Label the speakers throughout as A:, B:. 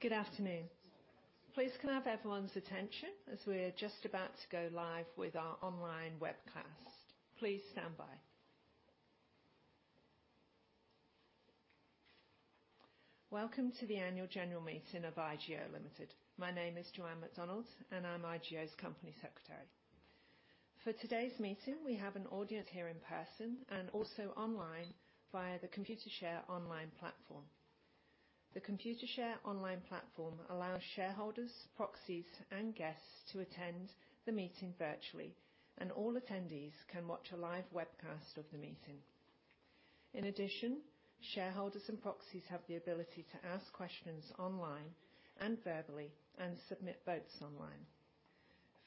A: Good afternoon. Please, can I have everyone's attention as we're just about to go live with our online webcast. Please stand by. Welcome to the Annual General Meeting of IGO Limited. My name is Joanne McDonald, and I'm IGO's Company Secretary. For today's meeting, we have an audience here in person and also online via the Computershare online platform. The Computershare online platform allows shareholders, proxies, and guests to attend the meeting virtually, and all attendees can watch a live webcast of the meeting. In addition, shareholders and proxies have the ability to ask questions online and verbally and submit votes online.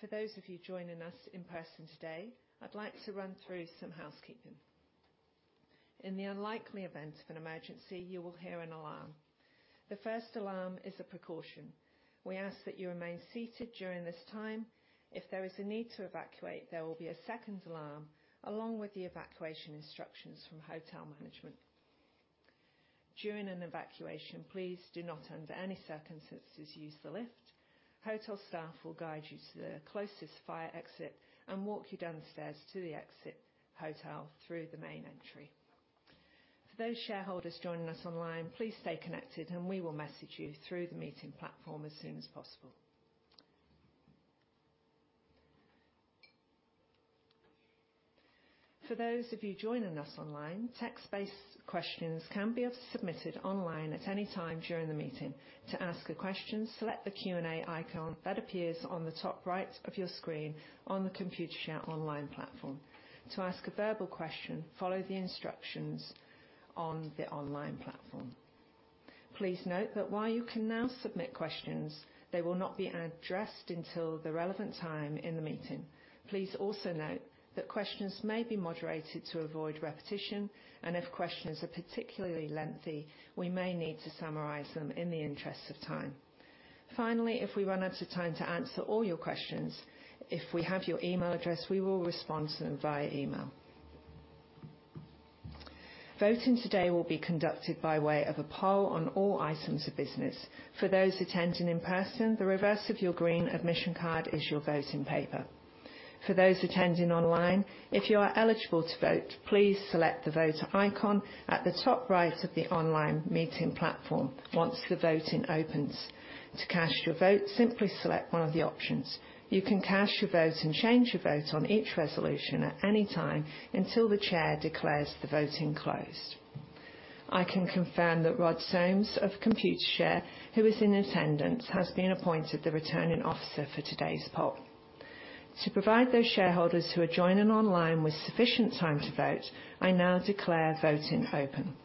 A: For those of you joining us in person today, I'd like to run through some housekeeping. In the unlikely event of an emergency, you will hear an alarm. The first alarm is a precaution. We ask that you remain seated during this time. If there is a need to evacuate, there will be a second alarm, along with the evacuation instructions from hotel management. During an evacuation, please do not, under any circumstances, use the lift. Hotel staff will guide you to the closest fire exit and walk you downstairs to the exit hotel through the main entry. For those shareholders joining us online, please stay connected, and we will message you through the meeting platform as soon as possible. For those of you joining us online, text-based questions can be submitted online at any time during the meeting. To ask a question, select the Q&A icon that appears on the top right of your screen on the Computershare online platform. To ask a verbal question, follow the instructions on the online platform. Please note that while you can now submit questions, they will not be addressed until the relevant time in the meeting. Please also note that questions may be moderated to avoid repetition, and if questions are particularly lengthy, we may need to summarize them in the interest of time. Finally, if we run out of time to answer all your questions, if we have your email address, we will respond to them via email. Voting today will be conducted by way of a poll on all items of business. For those attending in person, the reverse of your green admission card is your voting paper. For those attending online, if you are eligible to vote, please select the voter icon at the top right of the online meeting platform once the voting opens. To cast your vote, simply select one of the options. You can cast your vote, and change your vote on each resolution at any time until the chair declares the voting closed. I can confirm that Rod Sames of Computershare, who is in attendance, has been appointed the Returning Officer for today's poll. To provide those shareholders who are joining online with sufficient time to vote, I now declare voting open.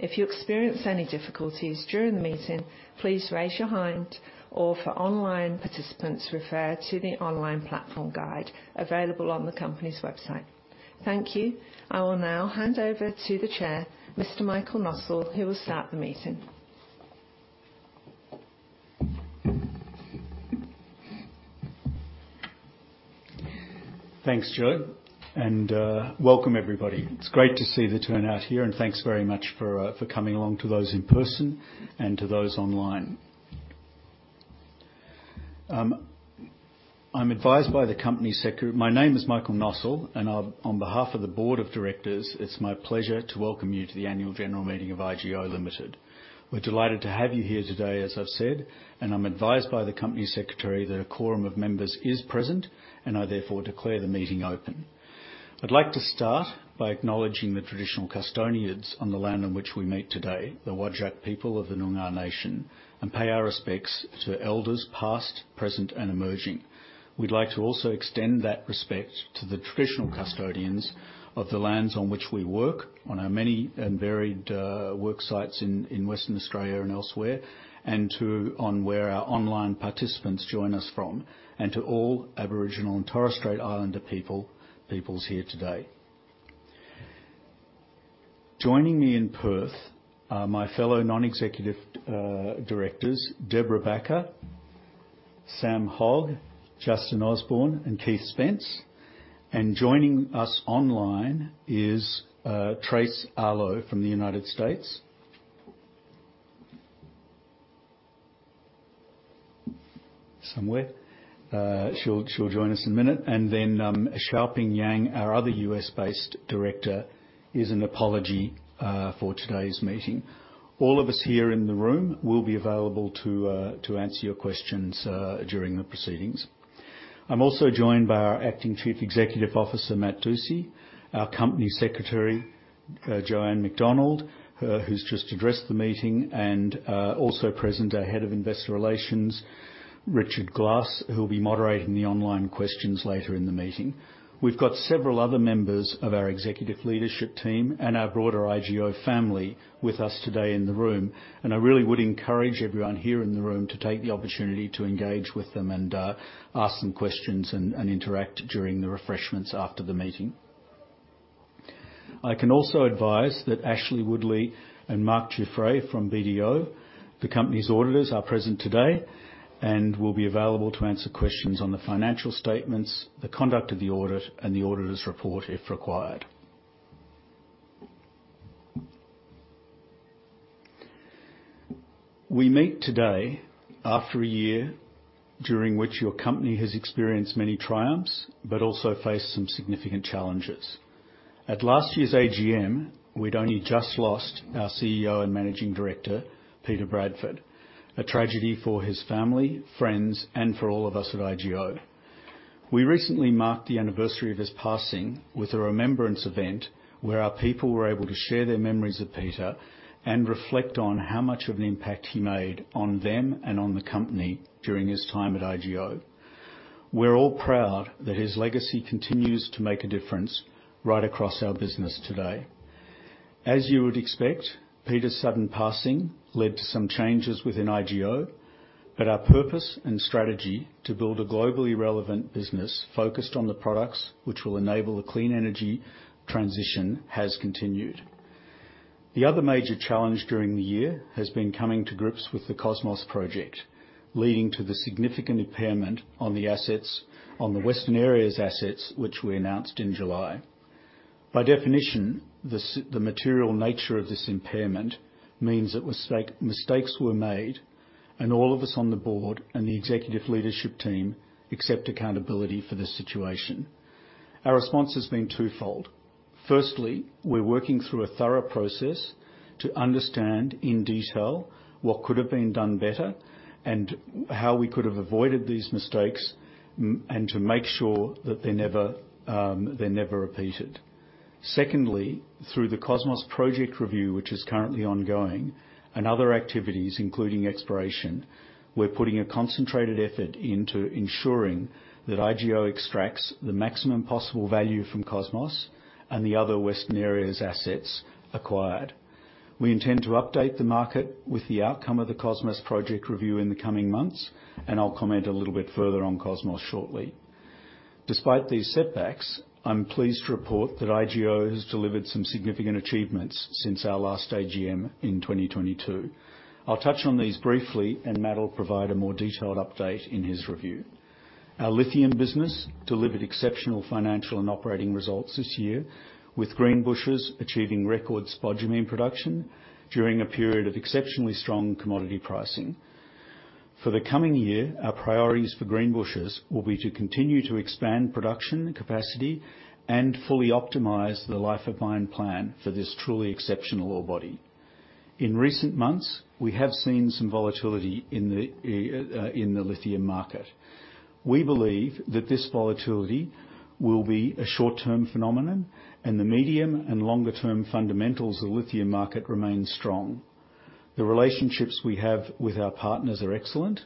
A: If you experience any difficulties during the meeting, please raise your hand, or for online participants, refer to the online platform guide available on the company's website. Thank you. I will now hand over to the Chair, Mr. Michael Nossal, who will start the meeting.
B: Thanks, Joanne, and welcome, everybody. It's great to see the turnout here, and thanks very much for for coming along to those in person and to those online. My name is Michael Nossal, and on, on behalf of the Board of Directors, it's my pleasure to welcome you to the Annual General Meeting of IGO Limited. We're delighted to have you here today, as I've said, and I'm advised by the Company Secretary that a quorum of members is present, and I therefore declare the meeting open. I'd like to start by acknowledging the traditional custodians on the land on which we meet today, the Whadjuk people of the Noongar Nation, and pay our respects to elders past, present, and emerging. We'd like to also extend that respect to the traditional custodians of the lands on which we work, on our many and varied work sites in Western Australia and elsewhere, and to where our online participants join us from, and to all Aboriginal and Torres Strait Islander peoples here today. Joining me in Perth are my fellow non-executive directors, Debra Bakker, Sam Hogg, Justin Osborne, and Keith Spence. Joining us online is Tracey Arlaud from the United States. Somewhere. She'll join us in a minute, and then Xiaoping Yang, our other US-based director, is an apology for today's meeting. All of us here in the room will be available to answer your questions during the proceedings. I'm also joined by our acting Chief Executive Officer, Matt Dusci; our Company Secretary, Joanne McDonald, who's just addressed the meeting; and also present, our Head of Investor Relations, Richard Glass, who will be moderating the online questions later in the meeting. We've got several other members of our executive leadership team and our broader IGO family with us today in the room, and I really would encourage everyone here in the room to take the opportunity to engage with them and ask them questions and interact during the refreshments after the meeting. I can also advise that Ashleigh Woodley and Marc Giuffre from BDO, the company's auditors, are present today and will be available to answer questions on the financial statements, the conduct of the audit, and the auditors' report, if required.... We meet today after a year during which your company has experienced many triumphs, but also faced some significant challenges. At last year's AGM, we'd only just lost our CEO and Managing Director, Peter Bradford, a tragedy for his family, friends, and for all of us at IGO. We recently marked the anniversary of his passing with a remembrance event, where our people were able to share their memories of Peter, and reflect on how much of an impact he made on them and on the company during his time at IGO. We're all proud that his legacy continues to make a difference right across our business today. As you would expect, Peter's sudden passing led to some changes within IGO, but our purpose and strategy to build a globally relevant business focused on the products which will enable the clean energy transition has continued. The other major challenge during the year has been coming to grips with the Cosmos Project, leading to the significant impairment on the assets, on the Western Areas' assets, which we announced in July. By definition, the material nature of this impairment means that mistakes were made, and all of us on the board and the Executive Leadership Team accept accountability for the situation. Our response has been twofold: firstly, we're working through a thorough process to understand in detail what could have been done better and how we could have avoided these mistakes, and to make sure that they never, they're never repeated. Secondly, through the Cosmos Project review, which is currently ongoing, and other activities, including exploration, we're putting a concentrated effort into ensuring that IGO extracts the maximum possible value from Cosmos and the other Western Areas assets acquired. We intend to update the market with the outcome of the Cosmos Project review in the coming months, and I'll comment a little bit further on Cosmos shortly. Despite these setbacks, I'm pleased to report that IGO has delivered some significant achievements since our last AGM in 2022. I'll touch on these briefly, and Matt will provide a more detailed update in his review. Our lithium business delivered exceptional financial and operating results this year, with Greenbushes achieving record spodumene production during a period of exceptionally strong commodity pricing. For the coming year, our priorities for Greenbushes will be to continue to expand production capacity and fully optimize the life of mine plan for this truly exceptional ore body. In recent months, we have seen some volatility in the lithium market. We believe that this volatility will be a short-term phenomenon, and the medium and longer-term fundamentals of the lithium market remain strong. The relationships we have with our partners are excellent,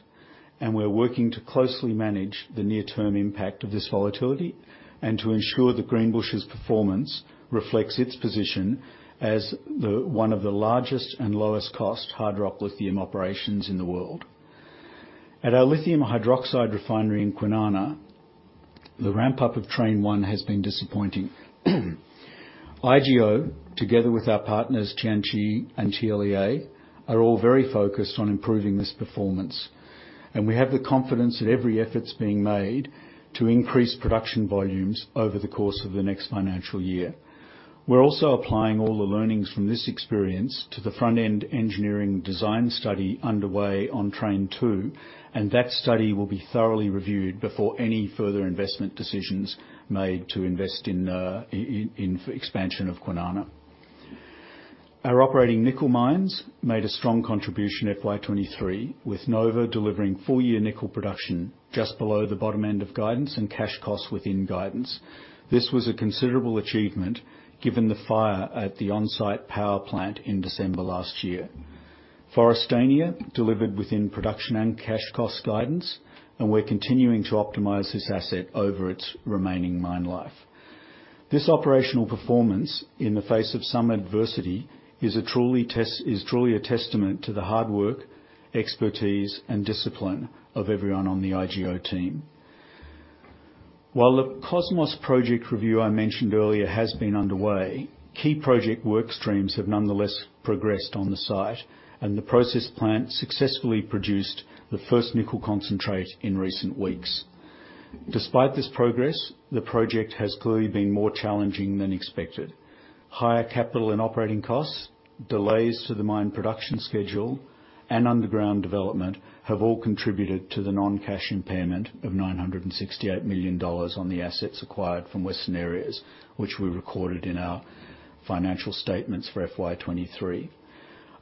B: and we're working to closely manage the near-term impact of this volatility, and to ensure that Greenbushes' performance reflects its position as the, one of the largest and lowest cost hard rock lithium operations in the world. At our lithium hydroxide refinery in Kwinana, the ramp-up of Train One has been disappointing. IGO, together with our partners, Tianqi and TLEA, are all very focused on improving this performance, and we have the confidence that every effort's being made to increase production volumes over the course of the next financial year. We're also applying all the learnings from this experience to the front-end engineering design study underway on Train Two, and that study will be thoroughly reviewed before any further investment decisions made to invest in expansion of Kwinana. Our operating nickel mines made a strong contribution FY 2023, with Nova delivering full-year nickel production just below the bottom end of guidance and cash costs within guidance. This was a considerable achievement given the fire at the on-site power plant in December last year. Forrestania delivered within production and cash cost guidance, and we're continuing to optimize this asset over its remaining mine life. This operational performance, in the face of some adversity, is truly a testament to the hard work, expertise, and discipline of everyone on the IGO team. While the Cosmos Project review I mentioned earlier has been underway, key project work streams have nonetheless progressed on the site, and the process plant successfully produced the first nickel concentrate in recent weeks. Despite this progress, the project has clearly been more challenging than expected. Higher capital and operating costs, delays to the mine production schedule, and underground development have all contributed to the non-cash impairment of 968 million dollars on the assets acquired from Western Areas, which we recorded in our financial statements for FY 2023.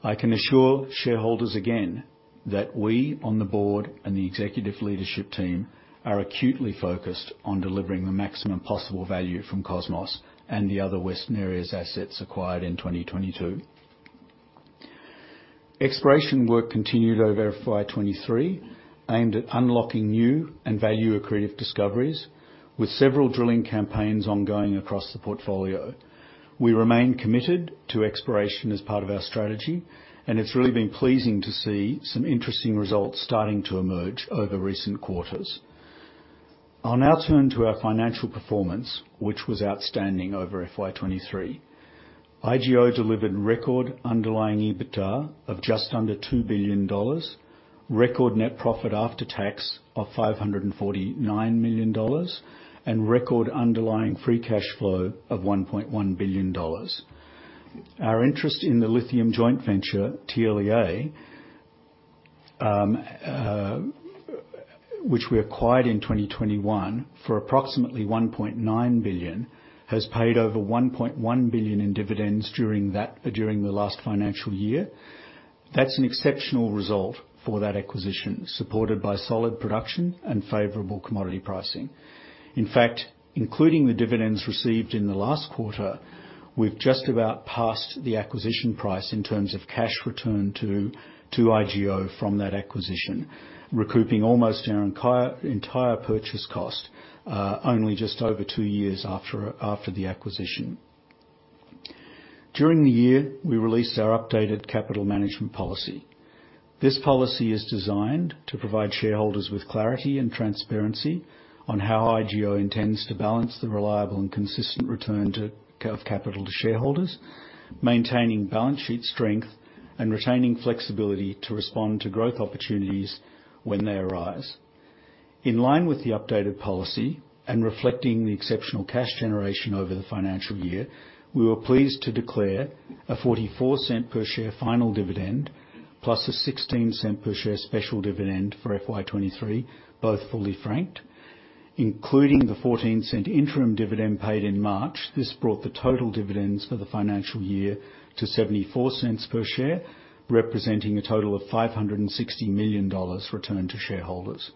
B: I can assure shareholders again that we on the board and the Executive Leadership Team are acutely focused on delivering the maximum possible value from Cosmos and the other Western Areas assets acquired in 2022. Exploration work continued over FY 2023, aimed at unlocking new and value accretive discoveries, with several drilling campaigns ongoing across the portfolio. We remain committed to exploration as part of our strategy, and it's really been pleasing to see some interesting results starting to emerge over recent quarters. I'll now turn to our financial performance, which was outstanding over FY 2023. IGO delivered record underlying EBITDA of just under 2 billion dollars, record net profit after tax of 549 million dollars, and record underlying free cash flow of 1.1 billion dollars. Our interest in the lithium joint venture, TLEA, which we acquired in 2021 for approximately 1.9 billion, has paid over 1.1 billion in dividends during the last financial year. That's an exceptional result for that acquisition, supported by solid production and favorable commodity pricing. In fact, including the dividends received in the last quarter, we've just about passed the acquisition price in terms of cash return to IGO from that acquisition, recouping almost our entire purchase cost, only just over two years after the acquisition. During the year, we released our updated capital management policy. This policy is designed to provide shareholders with clarity and transparency on how IGO intends to balance the reliable, and consistent return of capital to shareholders, maintaining balance sheet strength, and retaining flexibility to respond to growth opportunities when they arise. In line with the updated policy and reflecting the exceptional cash generation over the financial year, we were pleased to declare a 0.44 per share final dividend, plus a 0.16 per share special dividend for FY 2023, both fully franked. Including the 0.14 interim dividend paid in March, this brought the total dividends for the financial year to 0.74 per share, representing a total of 560 million dollars returned to shareholders.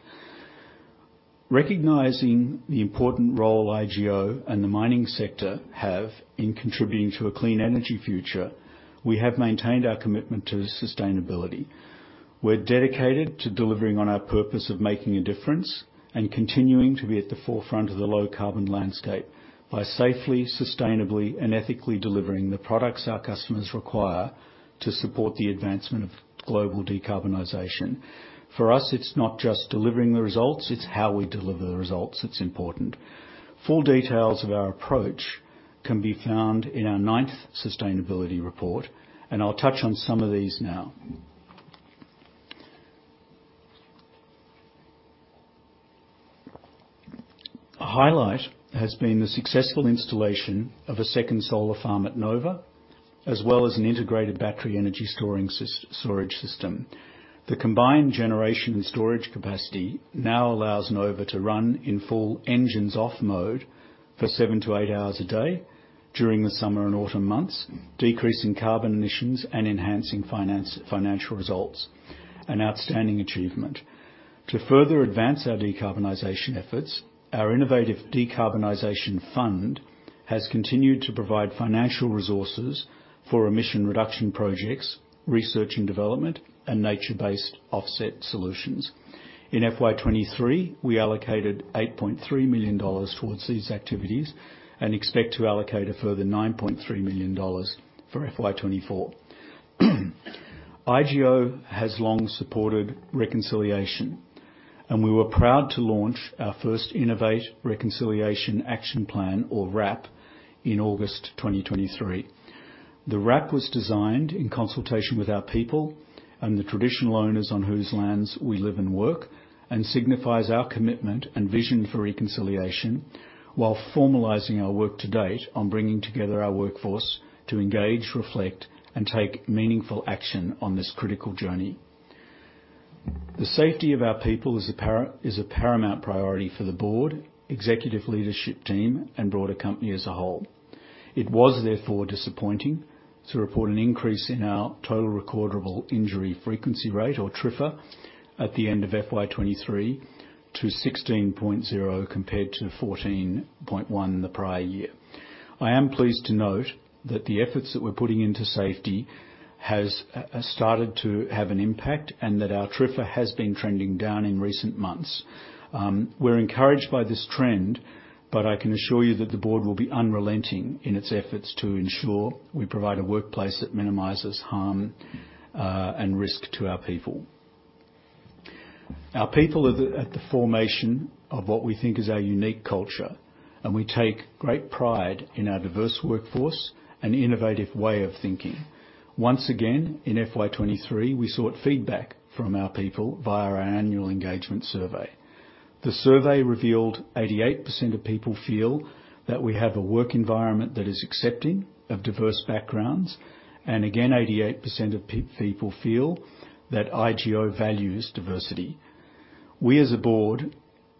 B: Recognizing the important role IGO and the mining sector have in contributing to a clean energy future, we have maintained our commitment to sustainability. We're dedicated to delivering on our purpose of making a difference and continuing to be at the forefront of the low-carbon landscape by safely, sustainably, and ethically delivering the products our customers require to support the advancement of global decarbonization. For us, it's not just delivering the results, it's how we deliver the results that's important. Full details of our approach can be found in our ninth sustainability report, and I'll touch on some of these now. A highlight has been the successful installation of a second solar farm at Nova, as well as an integrated battery energy storage system. The combined generation and storage capacity now allows Nova to run in full engines-off mode for 7-8 hours a day during the summer and autumn months, decreasing carbon emissions and enhancing finance, financial results, an outstanding achievement. To further advance our decarbonization efforts, our innovative decarbonization fund has continued to provide financial resources for emission reduction projects, research and development, and nature-based offset solutions. In FY 2023, we allocated 8.3 million dollars towards these activities and expect to allocate a further 9.3 million dollars for FY 2024. IGO has long supported reconciliation, and we were proud to launch our first Innovate Reconciliation Action Plan, or RAP, in August 2023. The RAP was designed in consultation with our people and the traditional owners on whose lands we live and work, and signifies our commitment and vision for reconciliation, while formalizing our work to date on bringing together our workforce to engage, reflect, and take meaningful action on this critical journey. The safety of our people is a paramount priority for the board, Executive Leadership Team, and broader company as a whole. It was, therefore, disappointing to report an increase in our total recordable injury frequency rate, or TRIFR, at the end of FY 2023 to 16.0, compared to 14.1 the prior year. I am pleased to note that the efforts that we're putting into safety has started to have an impact, and that our TRIFR has been trending down in recent months. We're encouraged by this trend, but I can assure you that the board will be unrelenting in its efforts to ensure we provide a workplace that minimizes harm and risk to our people. Our people are the, at the formation of what we think is our unique culture, and we take great pride in our diverse workforce and innovative way of thinking. Once again, in FY 2023, we sought feedback from our people via our annual engagement survey. The survey revealed 88% of people feel that we have a work environment that is accepting of diverse backgrounds, and again, 88% of people feel that IGO values diversity. We, as a board,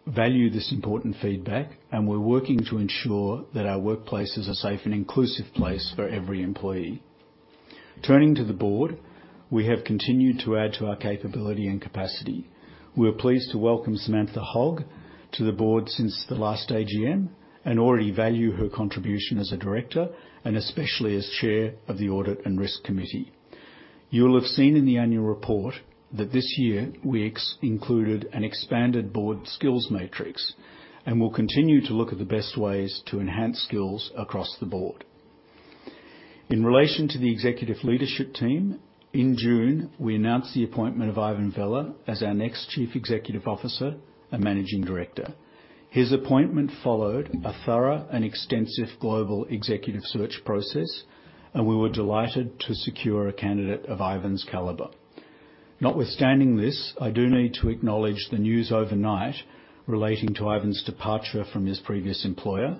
B: value this important feedback, and we're working to ensure that our workplace is a safe and inclusive place for every employee. Turning to the board, we have continued to add to our capability and capacity. We are pleased to welcome Samantha Hogg to the board since the last AGM, and already value her contribution as a director, and especially as Chair of the Audit and Risk Committee. You'll have seen in the annual report that this year we included an expanded board skills matrix, and we'll continue to look at the best ways to enhance skills across the board. In relation to the executive leadership team, in June, we announced the appointment of Ivan Vella as our next Chief Executive Officer and Managing Director. His appointment followed a thorough and extensive global executive search process, and we were delighted to secure a candidate of Ivan's caliber.... Notwithstanding this, I do need to acknowledge the news overnight relating to Ivan's departure from his previous employer.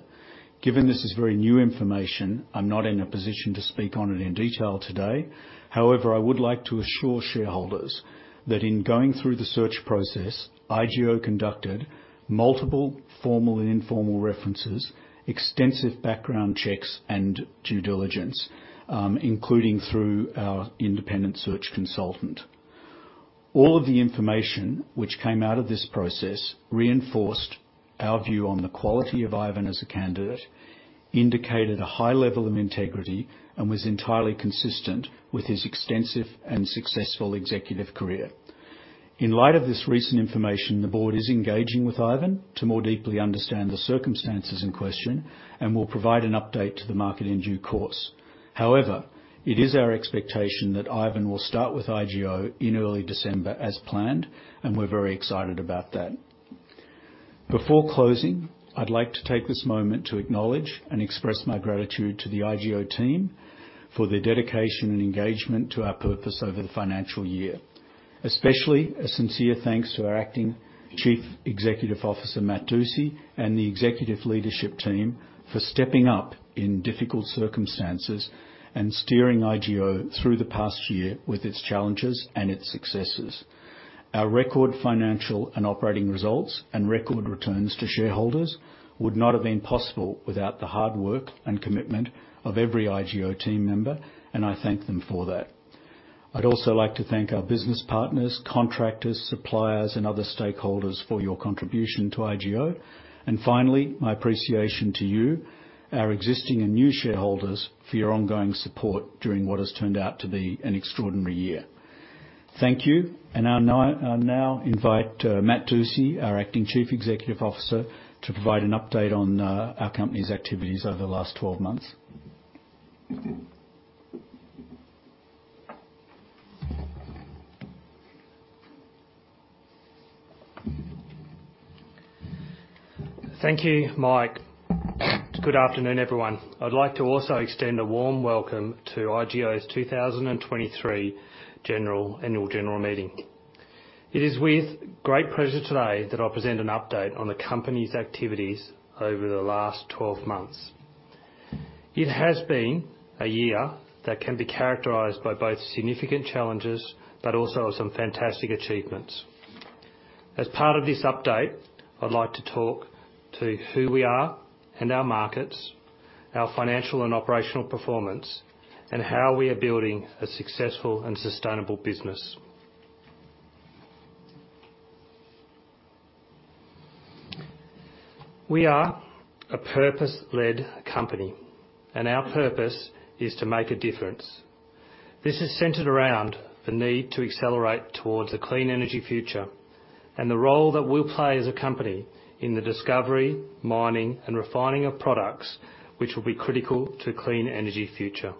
B: Given this is very new information, I'm not in a position to speak on it in detail today. However, I would like to assure shareholders that in going through the search process, IGO conducted multiple formal and informal references, extensive background checks and due diligence, including through our independent search consultant. All of the information which came out of this process reinforced our view on the quality of Ivan as a candidate, indicated a high level of integrity, and was entirely consistent with his extensive and successful executive career. In light of this recent information, the board is engaging with Ivan to more deeply understand the circumstances in question, and will provide an update to the market in due course. However, it is our expectation that Ivan will start with IGO in early December as planned, and we're very excited about that. Before closing, I'd like to take this moment to acknowledge and express my gratitude to the IGO team for their dedication and engagement to our purpose over the financial year, especially a sincere thanks to our acting Chief Executive Officer, Matt Dusci, and the executive leadership team for stepping up in difficult circumstances and steering IGO through the past year with its challenges and its successes. Our record financial and operating results, and record returns to shareholders, would not have been possible without the hard work and commitment of every IGO team member, and I thank them for that. I'd also like to thank our business partners, contractors, suppliers, and other stakeholders for your contribution to IGO. Finally, my appreciation to you, our existing and new shareholders, for your ongoing support during what has turned out to be an extraordinary year. Thank you. I now invite Matt Dusci, our Acting Chief Executive Officer, to provide an update on our company's activities over the last 12 months.
C: Thank you, Mike. Good afternoon, everyone. I'd like to also extend a warm welcome to IGO's 2023 Annual General Meeting. It is with great pleasure today that I present an update on the company's activities over the last 12 months. It has been a year that can be characterized by both significant challenges, but also of some fantastic achievements. As part of this update, I'd like to talk to who we are and our markets, our financial and operational performance, and how we are building a successful and sustainable business. We are a purpose-led company, and our purpose is to make a difference. This is centered around the need to accelerate towards a clean energy future, and the role that we'll play as a company in the discovery, mining, and refining of products, which will be critical to a clean energy future.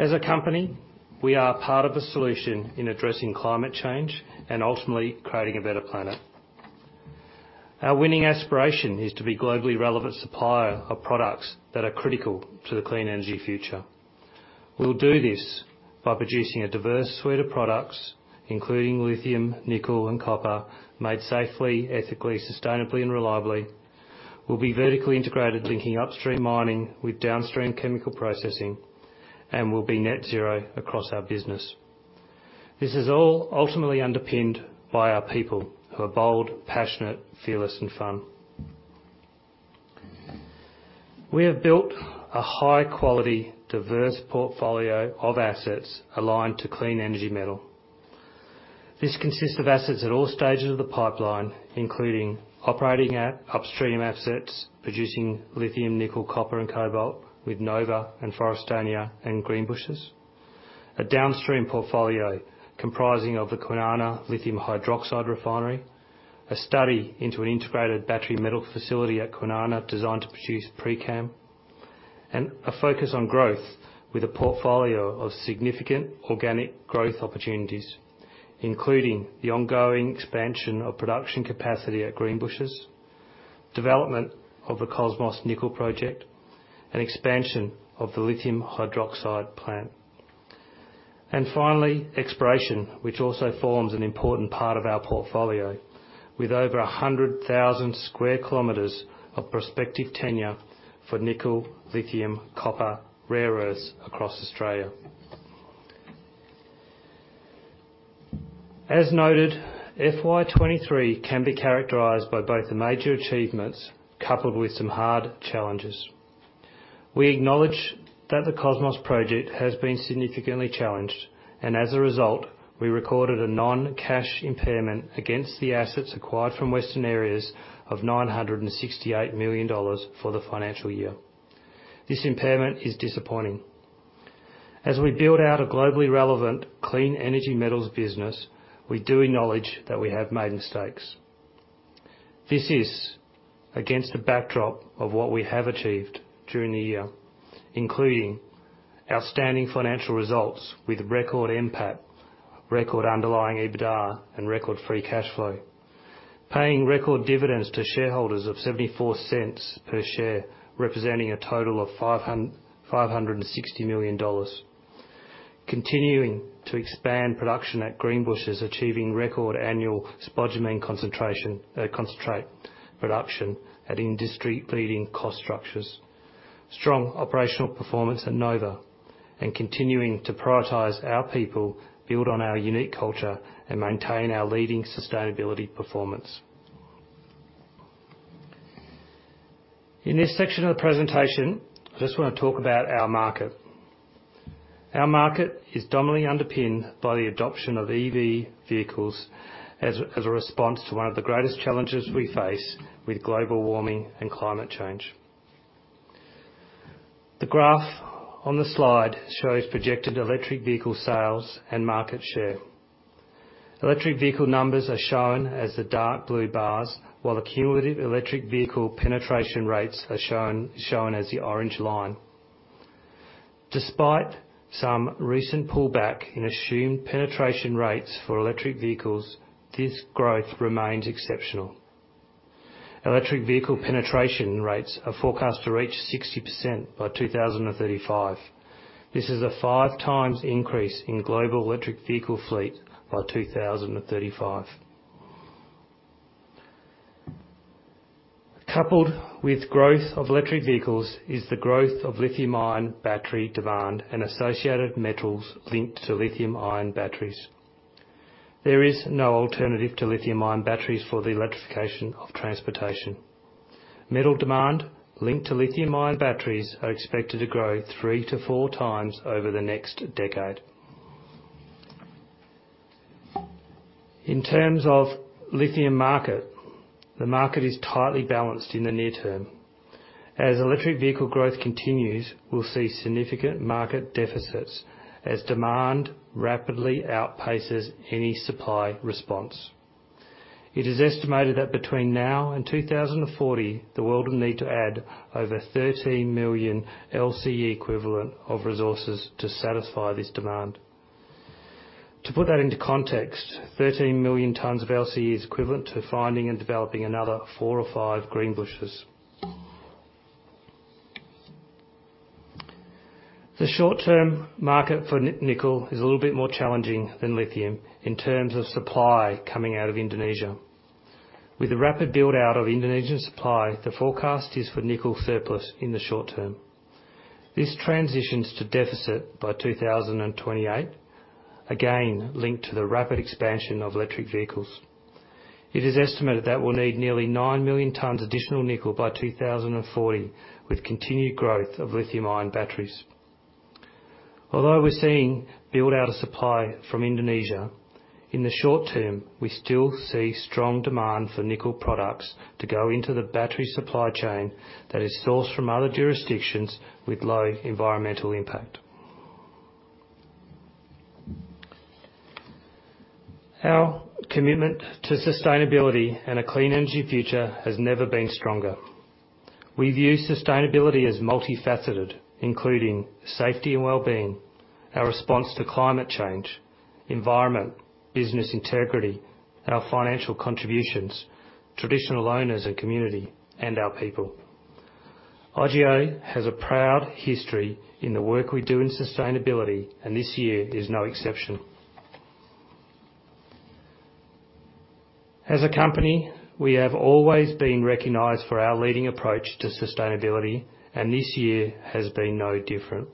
C: As a company, we are part of the solution in addressing climate change and ultimately creating a better planet. Our winning aspiration is to be a globally relevant supplier of products that are critical to the clean energy future. We'll do this by producing a diverse suite of products, including lithium, nickel, and copper, made safely, ethically, sustainably, and reliably. We'll be vertically integrated, linking upstream mining with downstream chemical processing, and we'll be net zero across our business. This is all ultimately underpinned by our people, who are bold, passionate, fearless, and fun. We have built a high-quality, diverse portfolio of assets aligned to clean energy metal. This consists of assets at all stages of the pipeline, including operating at upstream assets, producing lithium, nickel, copper, and cobalt with Nova and Forrestania and Greenbushes. A downstream portfolio comprising of the Kwinana lithium hydroxide refinery, a study into an integrated battery metal facility at Kwinana designed to produce pCAM, and a focus on growth with a portfolio of significant organic growth opportunities, including the ongoing expansion of production capacity at Greenbushes, development of the Cosmos Nickel project, and expansion of the lithium hydroxide plant. Finally, exploration, which also forms an important part of our portfolio, with over 100,000 square kilometers of prospective tenure for nickel, lithium, copper, rare earths across Australia. As noted, FY 2023 can be characterized by both the major achievements coupled with some hard challenges. We acknowledge that the Cosmos project has been significantly challenged, and as a result, we recorded a non-cash impairment against the assets acquired from Western Areas of 968 million dollars for the financial year. This impairment is disappointing. As we build out a globally relevant clean energy metals business, we do acknowledge that we have made mistakes. This is against the backdrop of what we have achieved during the year, including outstanding financial results with record NPAT, record underlying EBITDA, and record free cash flow, paying record dividends to shareholders of 0.74 per share, representing a total of 560 million dollars. Continuing to expand production at Greenbushes, achieving record annual spodumene concentrate production at industry-leading cost structures. Strong operational performance at Nova, and continuing to prioritize our people, build on our unique culture, and maintain our leading sustainability performance. In this section of the presentation, I just want to talk about our market. Our market is dominantly underpinned by the adoption of EV vehicles as a response to one of the greatest challenges we face with global warming and climate change. The graph on the slide shows projected electric vehicle sales and market share. Electric vehicle numbers are shown as the dark blue bars, while the cumulative electric vehicle penetration rates are shown as the orange line. Despite some recent pullback in assumed penetration rates for electric vehicles, this growth remains exceptional. Electric vehicle penetration rates are forecast to reach 60% by 2035. This is a five times increase in global electric vehicle fleet by 2035. Coupled with growth of electric vehicles is the growth of lithium-ion battery demand and associated metals linked to lithium-ion batteries. There is no alternative to lithium-ion batteries for the electrification of transportation. Metal demand linked to lithium-ion batteries are expected to grow three to four times over the next decade. In terms of lithium market, the market is tightly balanced in the near term. As electric vehicle growth continues, we'll see significant market deficits as demand rapidly outpaces any supply response. It is estimated that between now and 2040, the world will need to add over 13 million LCE equivalent of resources to satisfy this demand. To put that into context, 13 million tons of LCE is equivalent to finding and developing another four or three Greenbushes. The short-term market for nickel is a little bit more challenging than lithium in terms of supply coming out of Indonesia. With a rapid build-out of Indonesian supply, the forecast is for nickel surplus in the short term. This transitions to deficit by 2028, again, linked to the rapid expansion of electric vehicles. It is estimated that we'll need nearly 9 million tons additional nickel by 2040, with continued growth of lithium-ion batteries. Although we're seeing build-out of supply from Indonesia, in the short term, we still see strong demand for nickel products to go into the battery supply chain that is sourced from other jurisdictions with low environmental impact. Our commitment to sustainability and a clean energy future has never been stronger. We view sustainability as multifaceted, including safety and wellbeing, our response to climate change, environment, business integrity, our financial contributions, traditional owners and community, and our people. IGO has a proud history in the work we do in sustainability, and this year is no exception. As a company, we have always been recognized for our leading approach to sustainability, and this year has been no different.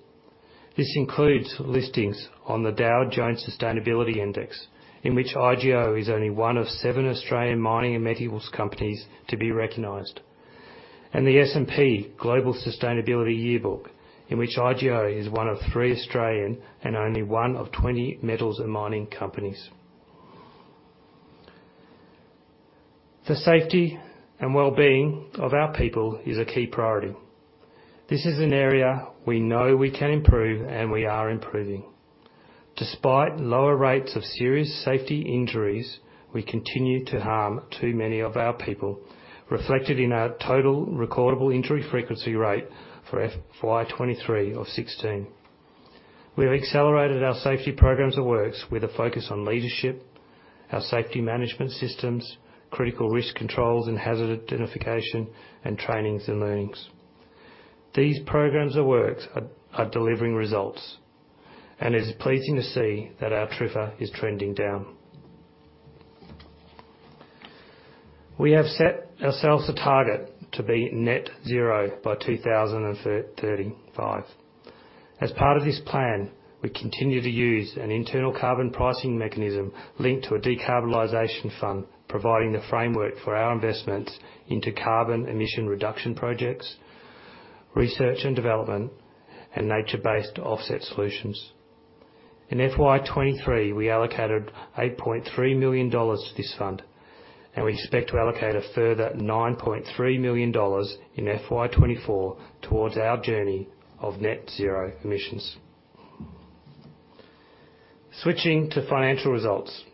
C: This includes listings on the Dow Jones Sustainability Index, in which IGO is only one of seven Australian mining and metals companies to be recognized. The S&P Global Sustainability Yearbook, in which IGO is one of three Australian and only one of 20 metals and mining companies. The safety and wellbeing of our people is a key priority. This is an area we know we can improve, and we are improving. Despite lower rates of serious safety injuries, we continue to harm too many of our people, reflected in our total recordable injury frequency rate for FY 2023 of 16. We have accelerated our safety programs of works with a focus on leadership, our safety management systems, critical risk controls and hazard identification, and trainings and learnings. These programs of works are delivering results, and it's pleasing to see that our TRIFR is trending down. We have set ourselves a target to be net zero by 2035. As part of this plan, we continue to use an internal carbon pricing mechanism linked to a decarbonization fund, providing the framework for our investments into carbon emission reduction projects, research and development, and nature-based offset solutions. In FY23, we allocated 8.3 million dollars to this fund, and we expect to allocate a further 9.3 million dollars in FY24 towards our journey of net zero emissions. Switching to financial results.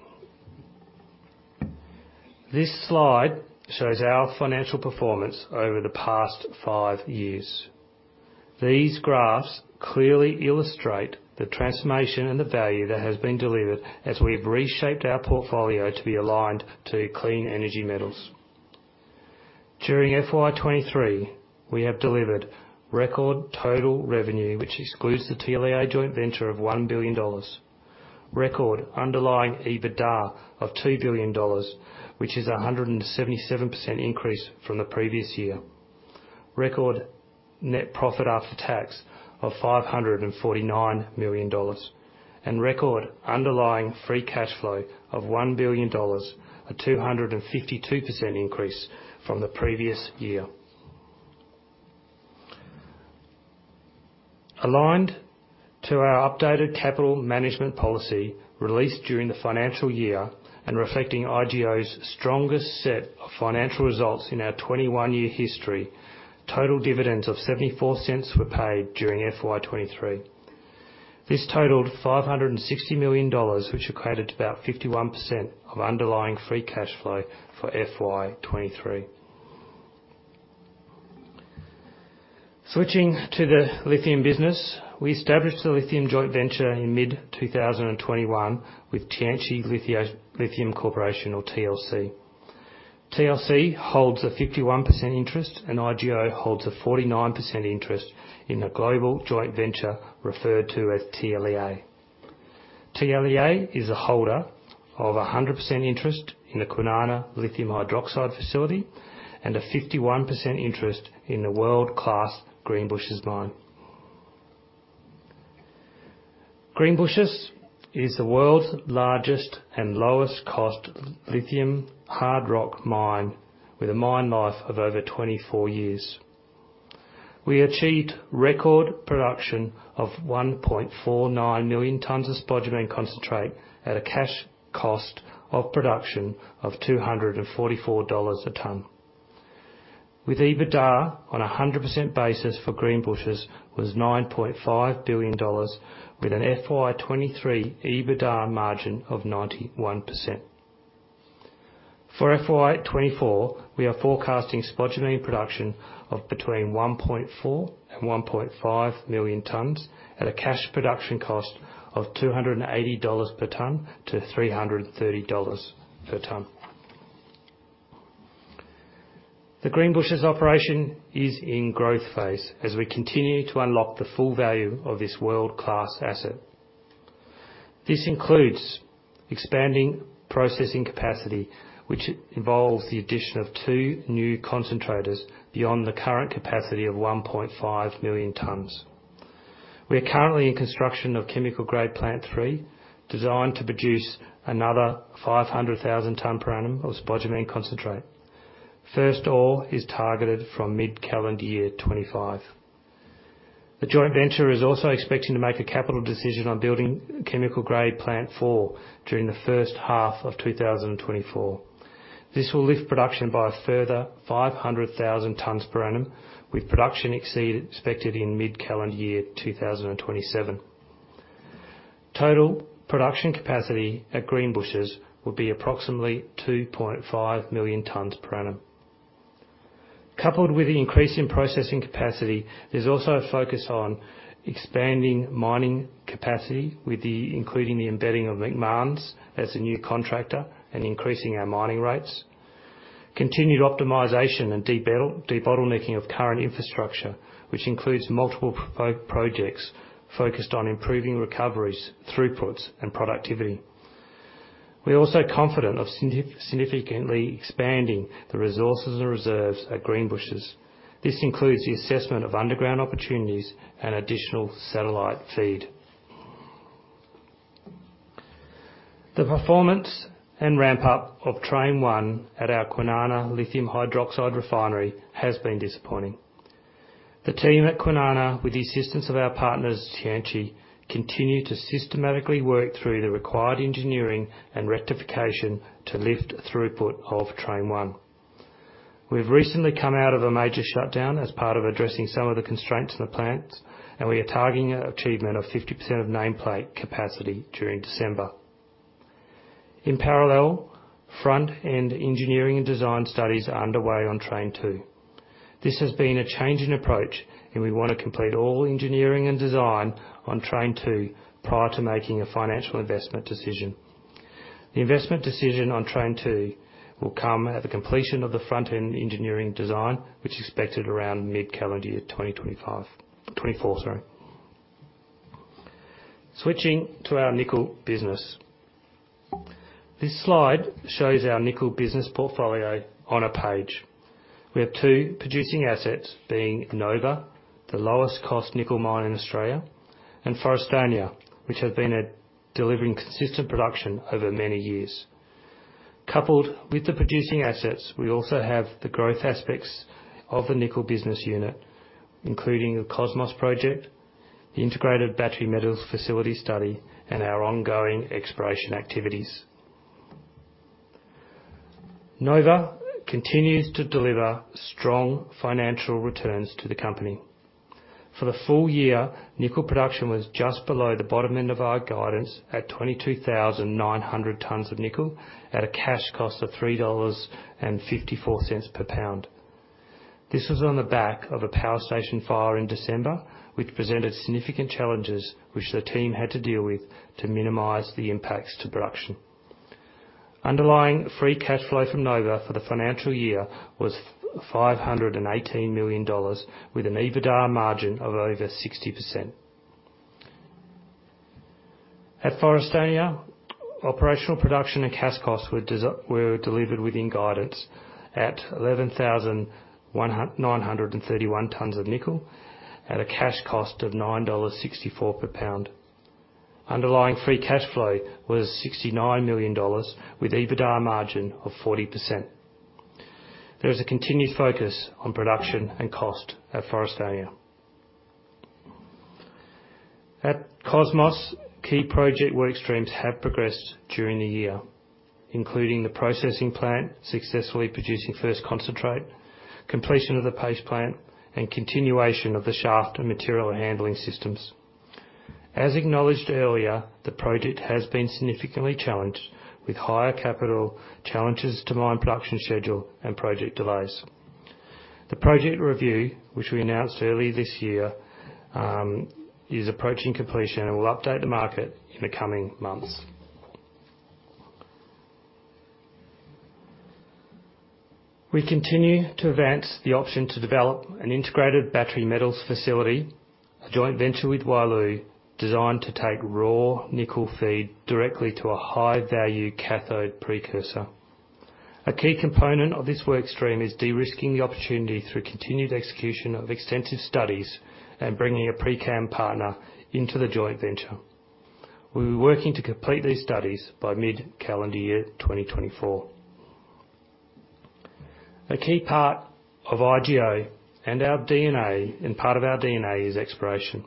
C: This slide shows our financial performance over the past five years.... These graphs clearly illustrate the transformation and the value that has been delivered as we've reshaped our portfolio to be aligned to clean energy metals. During FY 2023, we have delivered record total revenue, which excludes the TLEA joint venture of 1 billion dollars. Record underlying EBITDA of 2 billion dollars, which is a 177% increase from the previous year. Record net profit after tax of 549 million dollars, and record underlying free cash flow of 1 billion dollars, a 252% increase from the previous year. Aligned to our updated capital management policy, released during the financial year, and reflecting IGO's strongest set of financial results in our 21-year history, total dividends of 0.74 were paid during FY 2023. This totaled 560 million dollars, which equated to about 51% of underlying free cash flow for FY 2023. Switching to the lithium business, we established the lithium joint venture in mid-2021 with Tianqi Lithium Corporation, or TLC. TLC holds a 51% interest, and IGO holds a 49% interest in the global joint venture, referred to as TLEA. TLEA is a holder of a 100% interest in the Kwinana Lithium Hydroxide facility, and a 51% interest in the world-class Greenbushes mine. Greenbushes is the world's largest and lowest cost lithium hard rock mine, with a mine life of over 24 years. We achieved record production of 1.49 million tonnes of spodumene concentrate at a cash cost of production of $244 a tonne. With EBITDA, on a 100% basis for Greenbushes, was $9.5 billion, with an FY 2023 EBITDA margin of 91%. For FY 2024, we are forecasting spodumene production of between 1.4 and 1.5 million tonnes, at a cash production cost of $280-$330 per tonne. The Greenbushes operation is in growth phase as we continue to unlock the full value of this world-class asset. This includes expanding processing capacity, which involves the addition of two new concentrators beyond the current capacity of 1.5 million tonnes. We are currently in construction of chemical grade Plant Three, designed to produce another 500,000 tonnes per annum of spodumene concentrate. First ore is targeted from mid-calendar year 2025. The joint venture is also expecting to make a capital decision on building chemical grade Plant Four during the first half of 2024. This will lift production by a further 500,000 tons per annum, with production expected in mid-calendar year 2027. Total production capacity at Greenbushes will be approximately 2.5 million tons per annum. Coupled with the increase in processing capacity, there's also a focus on expanding mining capacity including the embedding of Macmahon as a new contractor and increasing our mining rates. Continued optimization and debottlenecking of current infrastructure, which includes multiple projects focused on improving recoveries, throughputs, and productivity. We are also confident of significantly expanding the resources and reserves at Greenbushes. This includes the assessment of underground opportunities and additional satellite feed. The performance and ramp-up of Train One at our Kwinana Lithium Hydroxide Refinery has been disappointing. The team at Kwinana, with the assistance of our partners, Tianqi, continue to systematically work through the required engineering and rectification to lift the throughput of Train One. We've recently come out of a major shutdown as part of addressing some of the constraints in the plant, and we are targeting an achievement of 50% of nameplate capacity during December. In parallel, front-end engineering and design studies are underway on Train Two. This has been a change in approach, and we want to complete all engineering and design on Train Two prior to making a financial investment decision. The investment decision on Train Two will come at the completion of the front-end engineering design, which is expected around mid-calendar year 2025, 2024, sorry. Switching to our nickel business. This slide shows our nickel business portfolio on a page. We have two producing assets, being Nova, the lowest cost nickel mine in Australia, and Forrestania, which has been delivering consistent production over many years. Coupled with the producing assets, we also have the growth aspects of the nickel business unit, including the Cosmos Project, the Integrated Battery Metals Facility study, and our ongoing exploration activities. Nova continues to deliver strong financial returns to the company. For the full year, nickel production was just below the bottom end of our guidance at 22,900 tonnes of nickel at a cash cost of $3.54 per pound. This was on the back of a power station fire in December, which presented significant challenges which the team had to deal with to minimize the impacts to production. Underlying free cash flow from Nova for the financial year was 518 million dollars, with an EBITDA margin of over 60%. At Forrestania, operational production and cash costs were delivered within guidance at 11,931 tons of nickel at a cash cost of $9.64 per pound. Underlying free cash flow was 69 million dollars, with EBITDA margin of 40%. There is a continued focus on production and cost at Forrestania. At Cosmos, key project work streams have progressed during the year, including the processing plant successfully producing first concentrate, completion of the paste plant, and continuation of the shaft and material handling systems. As acknowledged earlier, the project has been significantly challenged, with higher capital challenges to mine production schedule and project delays. The project review, which we announced earlier this year, is approaching completion, and we'll update the market in the coming months. We continue to advance the option to develop an integrated battery metals facility, a joint venture with Wyloo, designed to take raw nickel feed directly to a high-value cathode precursor. A key component of this work stream is de-risking the opportunity through continued execution of extensive studies and bringing a pCAM partner into the joint venture. We're working to complete these studies by mid-calendar year 2024. A key part of IGO and our DNA, and part of our DNA is exploration.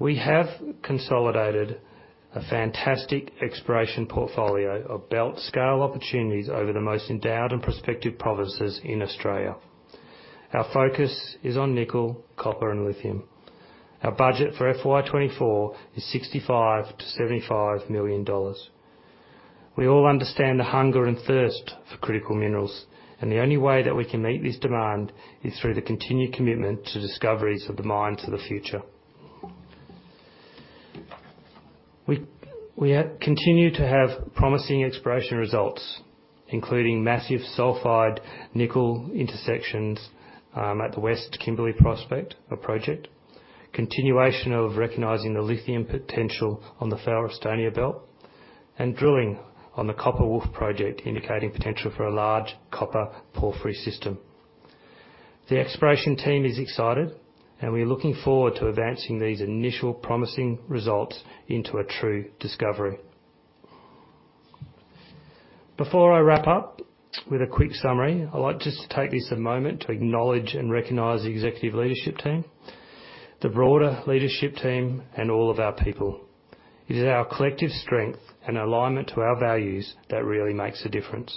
C: We have consolidated a fantastic exploration portfolio of belt scale opportunities over the most endowed and prospective provinces in Australia. Our focus is on nickel, copper, and lithium. Our budget for FY 2024 is 65 million-75 million dollars. We all understand the hunger and thirst for critical minerals, and the only way that we can meet this demand is through the continued commitment to discoveries of the mines of the future. We continue to have promising exploration results, including massive sulfide nickel intersections at the West Kimberley prospect, a project. Continuation of recognizing the lithium potential on the Forrestania Belt, and drilling on the Copper Wolf Project, indicating potential for a large copper porphyry system. The exploration team is excited, and we are looking forward to advancing these initial promising results into a true discovery. Before I wrap up with a quick summary, I'd like just to take a moment to acknowledge and recognize the executive leadership team, the broader leadership team, and all of our people. It is our collective strength and alignment to our values that really makes a difference.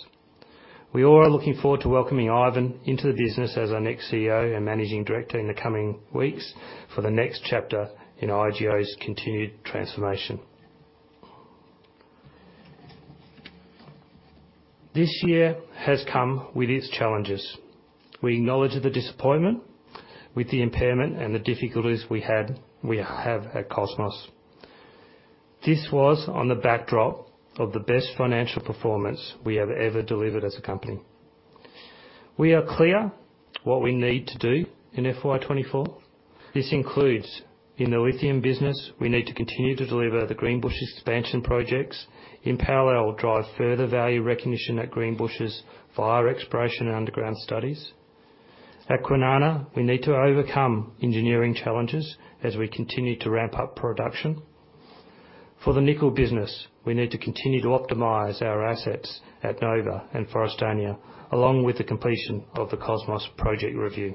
C: We all are looking forward to welcoming Ivan into the business as our next CEO and Managing Director in the coming weeks for the next chapter in IGO's continued transformation. This year has come with its challenges. We acknowledge the disappointment with the impairment and the difficulties we had, we have at Cosmos. This was on the backdrop of the best financial performance we have ever delivered as a company. We are clear what we need to do in FY 2024. This includes, in the lithium business, we need to continue to deliver the Greenbushes expansion projects. In parallel, drive further value recognition at Greenbushes via exploration and underground studies. At Kwinana, we need to overcome engineering challenges as we continue to ramp up production. For the nickel business, we need to continue to optimize our assets at Nova and Forrestania, along with the completion of the Cosmos Project review.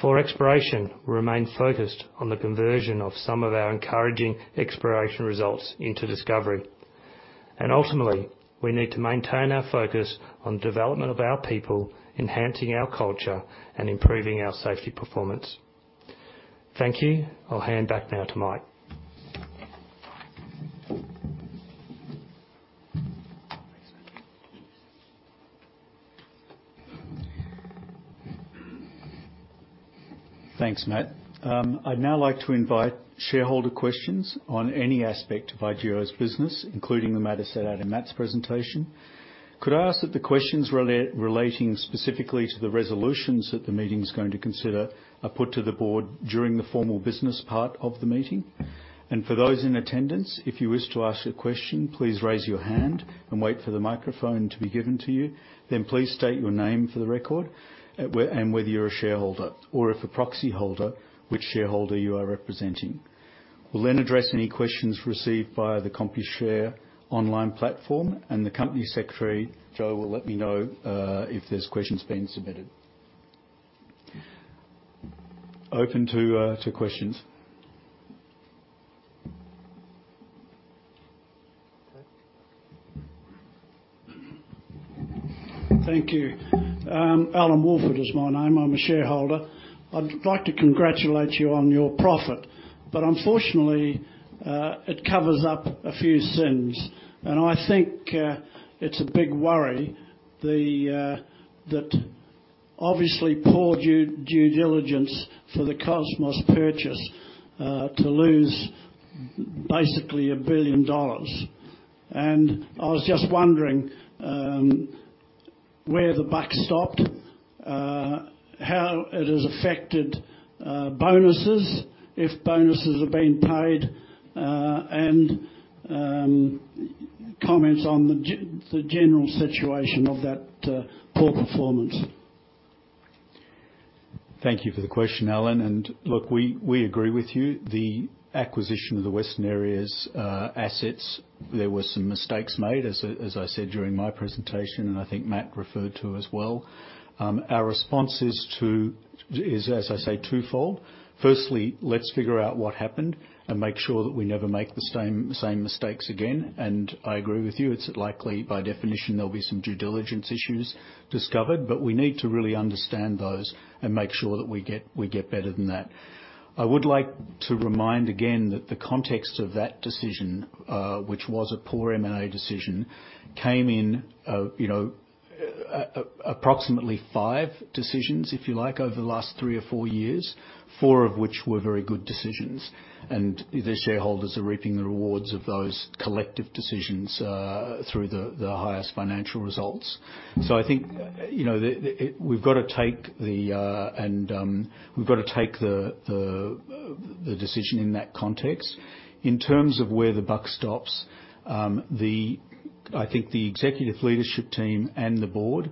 C: For exploration, we remain focused on the conversion of some of our encouraging exploration results into discovery. Ultimately, we need to maintain our focus on development of our people, enhancing our culture, and improving our safety performance. Thank you. I'll hand back now to Mike.
B: Thanks, Matt. I'd now like to invite shareholder questions on any aspect of IGO's business, including the matters set out in Matt's presentation. Could I ask that the questions relating specifically to the resolutions that the meeting is going to consider, are put to the board during the formal business part of the meeting? And for those in attendance, if you wish to ask a question, please raise your hand and wait for the microphone to be given to you. Then please state your name for the record, where... And whether you're a shareholder or if a proxy holder, which shareholder you are representing. We'll then address any questions received via the Computershare online platform, and the Company Secretary, Joe, will let me know if there's questions being submitted. Open to questions.
D: Thank you. Alan Wolford is my name. I'm a shareholder. I'd like to congratulate you on your profit, but unfortunately, it covers up a few sins, and I think it's a big worry.... obviously poor due diligence for the Cosmos purchase to lose basically 1 billion dollars. And I was just wondering where the buck stopped, how it has affected bonuses, if bonuses are being paid, and comments on the general situation of that poor performance.
B: Thank you for the question, Alan. And look, we agree with you. The acquisition of the Western Areas assets, there were some mistakes made, as I said during my presentation, and I think Matt referred to as well. Our response is, as I say, twofold. Firstly, let's figure out what happened and make sure that we never make the same mistakes again. And I agree with you, it's likely by definition, there'll be some due diligence issues discovered, but we need to really understand those and make sure that we get better than that. I would like to remind again that the context of that decision, which was a poor M&A decision, came in, you know, approximately five decisions, if you like, over the last three or four years, four of which were very good decisions, and the shareholders are reaping the rewards of those collective decisions, through the highest financial results. So I think, you know, we've got to take the decision in that context. In terms of where the buck stops, I think the executive leadership team and the board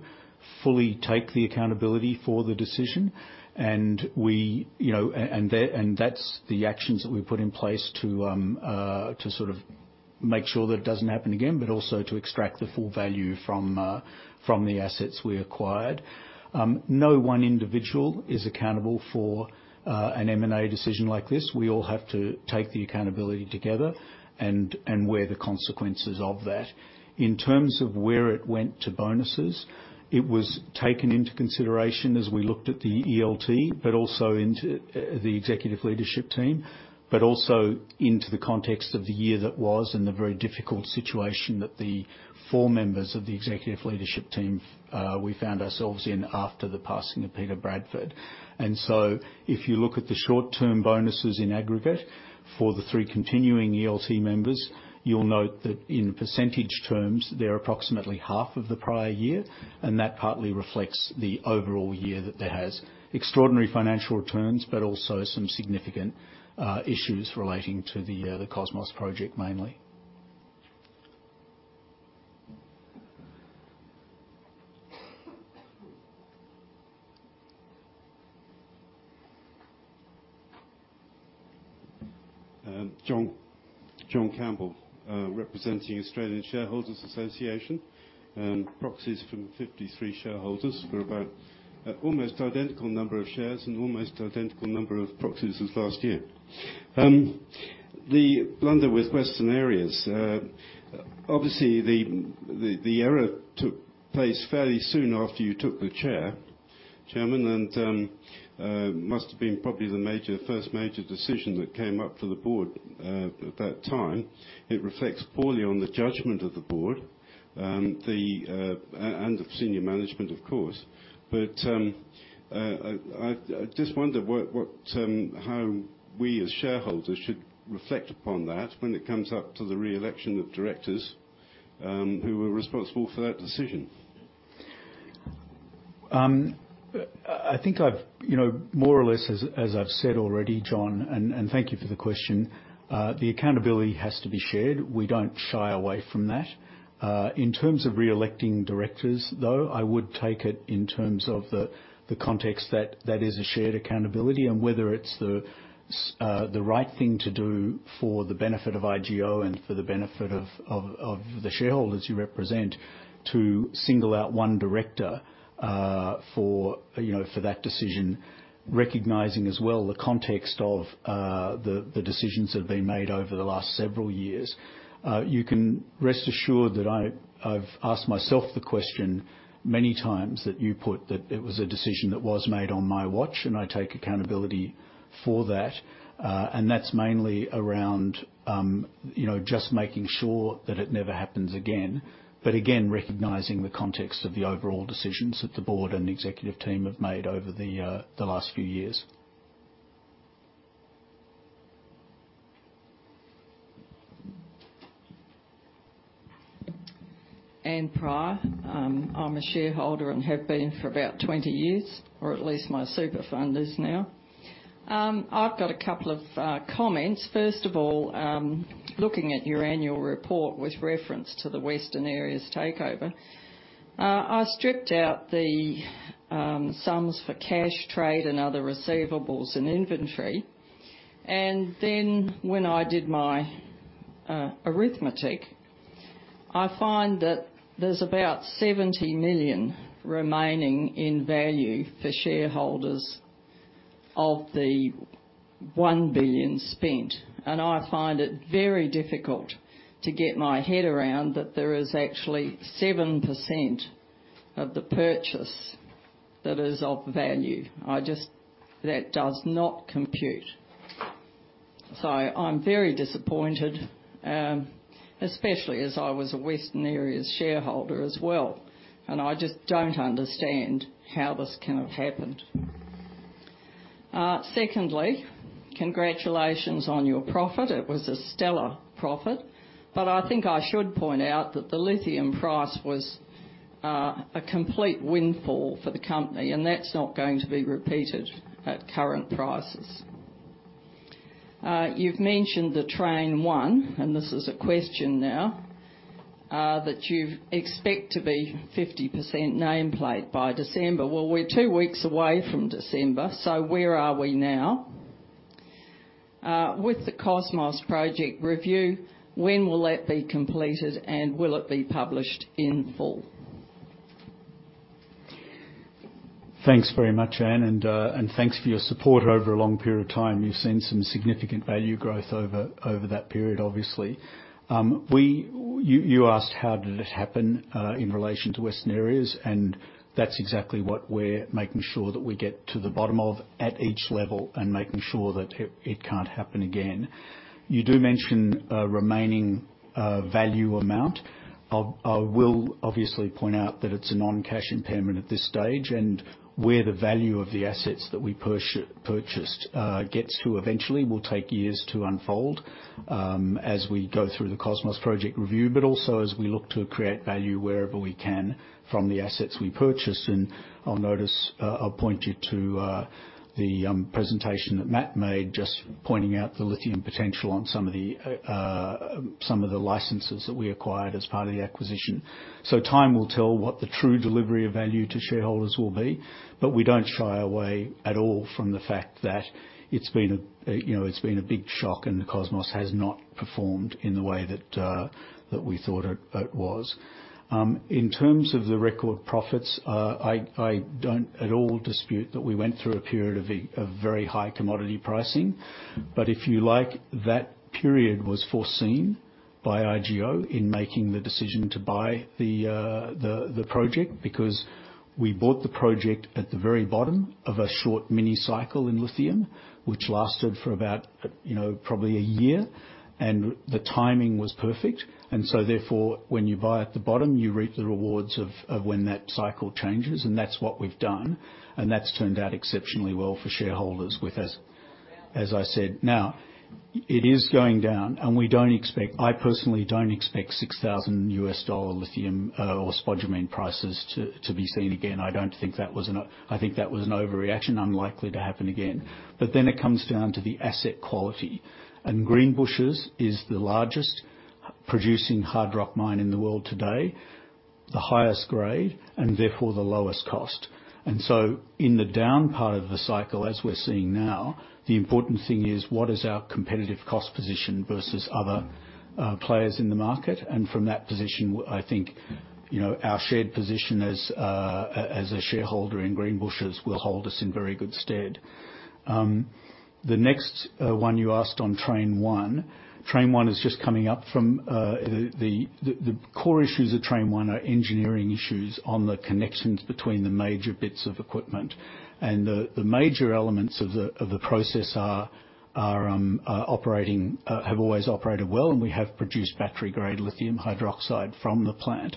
B: fully take the accountability for the decision, and we, you know, and that's the actions that we put in place to sort of make sure that it doesn't happen again, but also to extract the full value from the assets we acquired. No one individual is accountable for an M&A decision like this. We all have to take the accountability together, and weigh the consequences of that. In terms of where it went to bonuses, it was taken into consideration as we looked at the ELT, but also into, the executive leadership team, but also into the context of the year that was and the very difficult situation that the four members of the executive leadership team, we found ourselves in after the passing of Peter Bradford. And so if you look at the short-term bonuses in aggregate for the three continuing ELT members, you'll note that in percentage terms, they're approximately half of the prior year, and that partly reflects the overall year that there has extraordinary financial returns, but also some significant, issues relating to the Cosmos Project, mainly.
E: John, John Campbell, representing Australian Shareholders Association, proxies from 53 shareholders for about almost identical number of shares and almost identical number of proxies as last year. The blunder with Western Areas, obviously, the error took place fairly soon after you took the chair, Chairman, and must have been probably the major, first major decision that came up for the board, at that time. It reflects poorly on the judgment of the board, and the senior management, of course. But I just wonder what, how we as shareholders should reflect upon that when it comes up to the re-election of directors, who were responsible for that decision.
B: I think I've, you know, more or less as I've said already, John, and thank you for the question. The accountability has to be shared. We don't shy away from that. In terms of re-electing directors, though, I would take it in terms of the context that that is a shared accountability and whether it's the right thing to do for the benefit of IGO and for the benefit of the shareholders you represent, to single out one director for, you know, for that decision, recognizing as well the context of the decisions that have been made over the last several years. You can rest assured that I've asked myself the question many times that you put that it was a decision that was made on my watch, and I take accountability for that. And that's mainly around, you know, just making sure that it never happens again. But again, recognizing the context of the overall decisions that the board and executive team have made over the last few years.
F: Anne Pryor. I'm a shareholder and have been for about 20 years, or at least my super fund is now. I've got a couple of comments. First of all, looking at your annual report with reference to the Western Areas takeover, I stripped out the sums for cash trade and other receivables and inventory. And then when I did my arithmetic, I find that there's about 70 million remaining in value for shareholders of the 1 billion spent. And I find it very difficult to get my head around that there is actually 7% of the purchase that is of value. I just... That does not compute.... So I'm very disappointed, especially as I was a Western Areas shareholder as well, and I just don't understand how this can have happened. Secondly, congratulations on your profit. It was a stellar profit, but I think I should point out that the lithium price was a complete windfall for the company, and that's not going to be repeated at current prices. You've mentioned the Train 1, and this is a question now, that you expect to be 50% nameplate by December. Well, we're two weeks away from December, so where are we now? With the Cosmos Project review, when will that be completed, and will it be published in full?
B: Thanks very much, Anne, and, and thanks for your support over a long period of time. You've seen some significant value growth over that period, obviously. You asked how did it happen in relation to Western Areas, and that's exactly what we're making sure that we get to the bottom of at each level and making sure that it can't happen again. You do mention a remaining value amount. I'll obviously point out that it's a non-cash impairment at this stage, and where the value of the assets that we purchased gets to eventually will take years to unfold, as we go through the Cosmos Project review, but also as we look to create value wherever we can from the assets we purchased. And I'll notice... I'll point you to the presentation that Matt made, just pointing out the lithium potential on some of the licenses that we acquired as part of the acquisition. So time will tell what the true delivery of value to shareholders will be, but we don't shy away at all from the fact that it's been, you know, a big shock, and the Cosmos has not performed in the way that we thought it was. In terms of the record profits, I don't at all dispute that we went through a period of a very high commodity pricing, but if you like, that period was foreseen by IGO in making the decision to buy the project, because we bought the project at the very bottom of a short mini cycle in lithium, which lasted for about, you know, probably a year, and the timing was perfect. And so therefore, when you buy at the bottom, you reap the rewards of when that cycle changes, and that's what we've done, and that's turned out exceptionally well for shareholders with us, as I said. Now, it is going down, and we don't expect... I personally don't expect $6,000 lithium or spodumene prices to be seen again. I don't think that was an over-- I think that was an overreaction, unlikely to happen again. But then it comes down to the asset quality, and Greenbushes is the largest producing hard rock mine in the world today, the highest grade, and therefore the lowest cost. And so in the down part of the cycle, as we're seeing now, the important thing is, what is our competitive cost position versus other, players in the market? And from that position, I think, you know, our shared position as a, as a shareholder in Greenbushes will hold us in very good stead. The next, one you asked on Train 1. Train 1 is just coming up from, the core issues of Train 1 are engineering issues on the connections between the major bits of equipment. And the major elements of the process are operating, have always operated well, and we have produced battery-grade lithium hydroxide from the plant.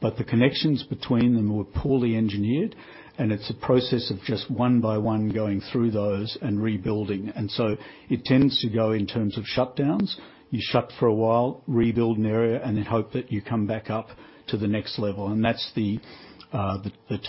B: But the connections between them were poorly engineered, and it's a process of just one by one going through those and rebuilding. And so it tends to go in terms of shutdowns. You shut for a while, rebuild an area, and then hope that you come back up to the next level, and that's the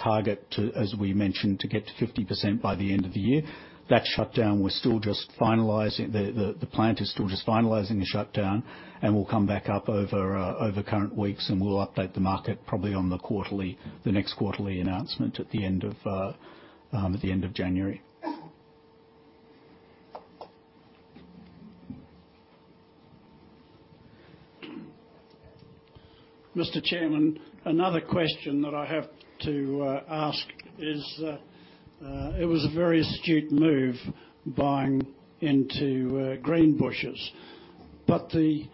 B: target to, as we mentioned, to get to 50% by the end of the year. That shutdown, we're still just finalizing... The plant is still just finalizing the shutdown, and we'll come back up over current weeks, and we'll update the market probably on the next quarterly announcement at the end of January.
D: Mr. Chairman, another question that I have to ask is it was a very astute move buying into Greenbushes, but the...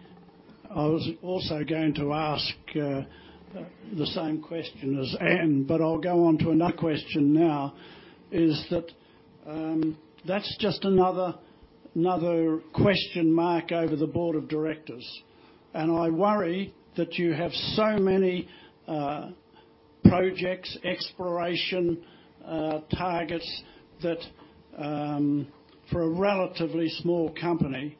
D: I was also going to ask the same question as Anne, but I'll go on to another question now, is that that's just another question mark over the board of directors, and I worry that you have so many projects, exploration targets, that for a relatively small company,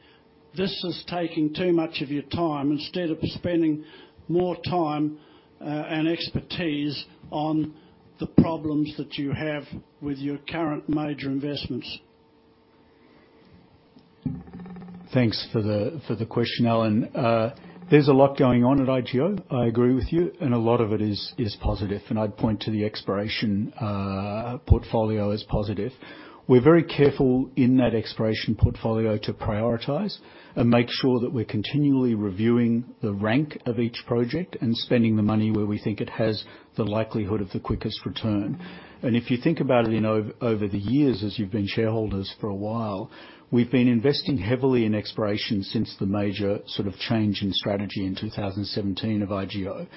D: this is taking too much of your time instead of spending more time and expertise on the problems that you have with your current major investments.
B: Thanks for the question, Alan. There's a lot going on at IGO, I agree with you, and a lot of it is positive, and I'd point to the exploration portfolio as positive. We're very careful in that exploration portfolio to prioritize and make sure that we're continually reviewing the rank of each project and spending the money where we think it has the likelihood of the quickest return. And if you think about it, you know, over the years, as you've been shareholders for a while, we've been investing heavily in exploration since the major sort of change in strategy in 2017 of IGO.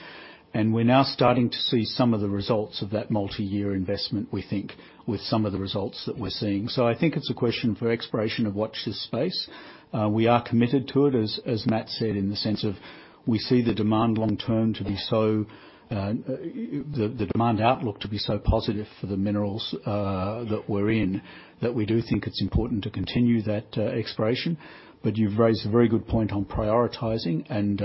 B: And we're now starting to see some of the results of that multi-year investment, we think, with some of the results that we're seeing. So I think it's a question for exploration of watch this space. We are committed to it, as Matt said, in the sense of we see the demand long term to be so the demand outlook to be so positive for the minerals that we're in, that we do think it's important to continue that exploration. But you've raised a very good point on prioritizing, and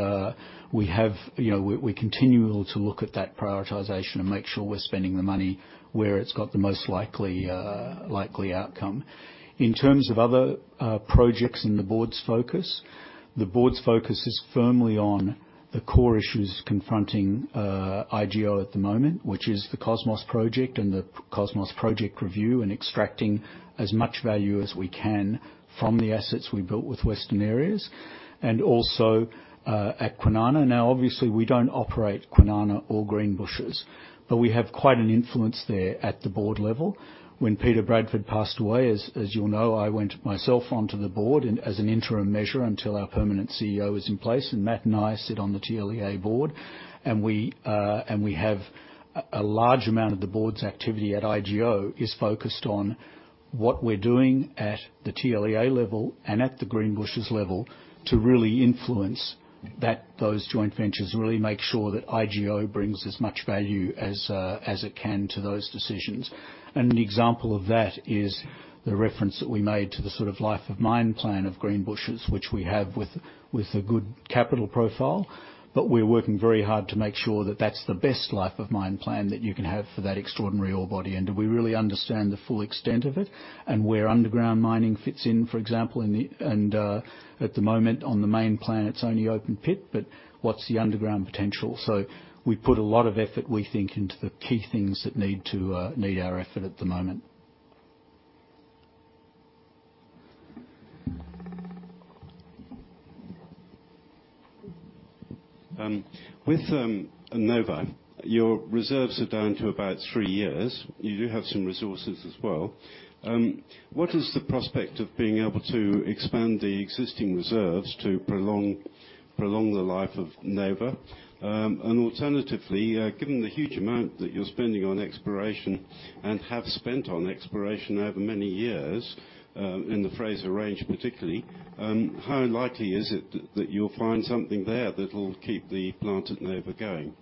B: we have, you know, we continue to look at that prioritization and make sure we're spending the money where it's got the most likely outcome. In terms of other projects in the board's focus, the board's focus is firmly on the core issues confronting IGO at the moment, which is the Cosmos Project and the Cosmos Project Review, and extracting as much value as we can from the assets we built with Western Areas and also at Kwinana. Now, obviously, we don't operate Kwinana or Greenbushes, but we have quite an influence there at the board level. When Peter Bradford passed away, as you'll know, I went myself onto the board and as an interim measure until our permanent CEO is in place, and Matt and I sit on the TLEA board, and we and we have a large amount of the board's activity at IGO is focused on what we're doing at the TLEA level and at the Greenbushes level to really influence that, those joint ventures, really make sure that IGO brings as much value as it can to those decisions. And an example of that is the reference that we made to the sort of life of mine plan of Greenbushes, which we have with a good capital profile. But we're working very hard to make sure that that's the best life of mine plan that you can have for that extraordinary ore body, and that we really understand the full extent of it and where underground mining fits in. For example, at the moment, on the main plan, it's only open pit, but what's the underground potential? So we put a lot of effort, we think, into the key things that need to need our effort at the moment.
E: With Nova, your reserves are down to about three years. You do have some resources as well. What is the prospect of being able to expand the existing reserves to prolong, prolong the life of Nova? And alternatively, given the huge amount that you're spending on exploration and have spent on exploration over many years, in the Fraser Range particularly, how likely is it that you'll find something there that will keep the plant at Nova going?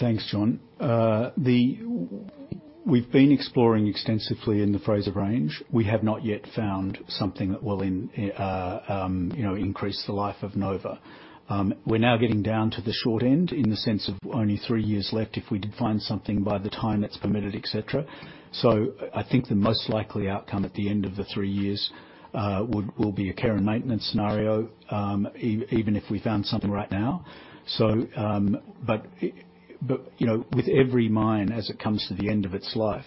B: Thanks, John. We've been exploring extensively in the Fraser Range. We have not yet found something that will, you know, increase the life of Nova. We're now getting down to the short end in the sense of only three years left if we did find something by the time it's permitted, et cetera. So I think the most likely outcome at the end of the three years will be a care and maintenance scenario, even if we found something right now. So, but, but, you know, with every mine, as it comes to the end of its life,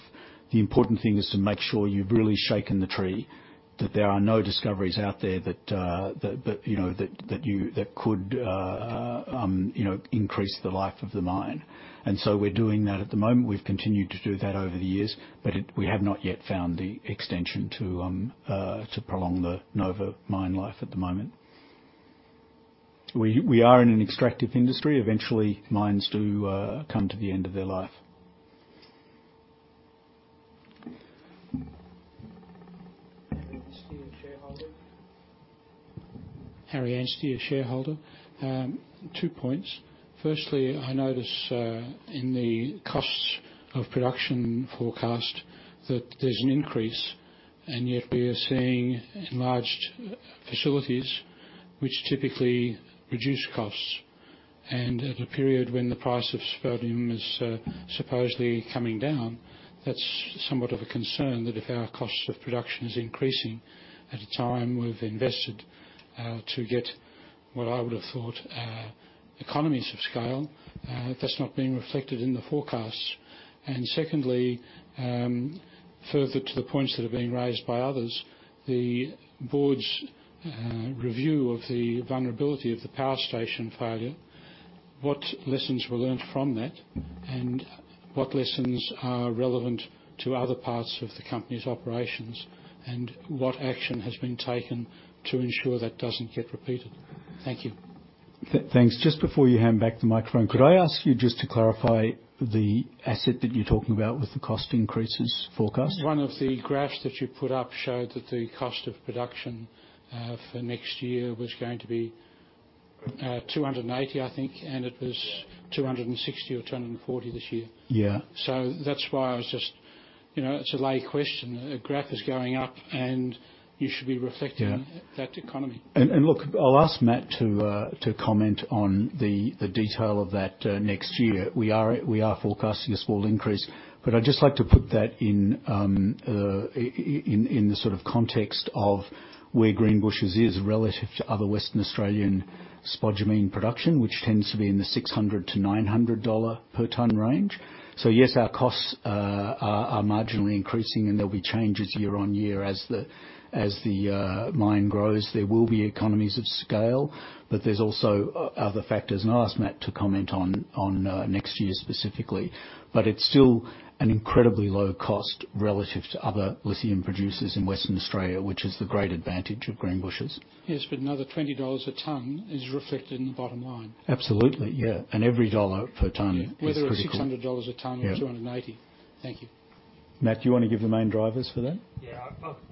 B: the important thing is to make sure you've really shaken the tree, that there are no discoveries out there that, that, you know, that, that you, that could, you know, increase the life of the mine. And so we're doing that at the moment. We've continued to do that over the years, but it, we have not yet found the extension to, to prolong the Nova mine life at the moment. We, we are in an extractive industry. Eventually, mines do come to the end of their life.
G: Harry Anstey, a shareholder. Two points: firstly, I notice in the costs of production forecast that there's an increase, and yet we are seeing enlarged facilities which typically reduce costs. At a period when the price of spodumene is supposedly coming down, that's somewhat of a concern, that if our cost of production is increasing at a time we've invested to get what I would have thought economies of scale, that's not being reflected in the forecasts. Secondly, further to the points that have been raised by others, the board's review of the vulnerability of the power station failure, what lessons were learned from that? What lessons are relevant to other parts of the company's operations, and what action has been taken to ensure that doesn't get repeated? Thank you.
B: Thanks. Just before you hand back the microphone, could I ask you just to clarify the asset that you're talking about with the cost increases forecast?
G: One of the graphs that you put up showed that the cost of production for next year was going to be 280, I think, and it was 260 or 240 this year.
B: Yeah.
G: So that's why I was just... You know, it's a lay question. A graph is going up, and you should be reflecting-
B: Yeah
G: -that economy.
B: And look, I'll ask Matt to comment on the detail of that next year. We are forecasting a small increase, but I'd just like to put that in the sort of context of where Greenbushes is relative to other Western Australian spodumene production, which tends to be in the $600-$900 per ton range. So yes, our costs are marginally increasing, and there'll be changes year-on-year. As the mine grows, there will be economies of scale, but there's also other factors. And I'll ask Matt to comment on next year specifically. But it's still an incredibly low cost relative to other lithium producers in Western Australia, which is the great advantage of Greenbushes.
G: Yes, but another $20 a ton is reflected in the bottom line.
B: Absolutely, yeah. Every $1 per ton-
G: Yeah
B: -is critical.
G: Whether it's $600 a ton-
B: Yeah
G: 280. Thank you. ...
B: Matt, do you want to give the main drivers for that?
C: Yeah,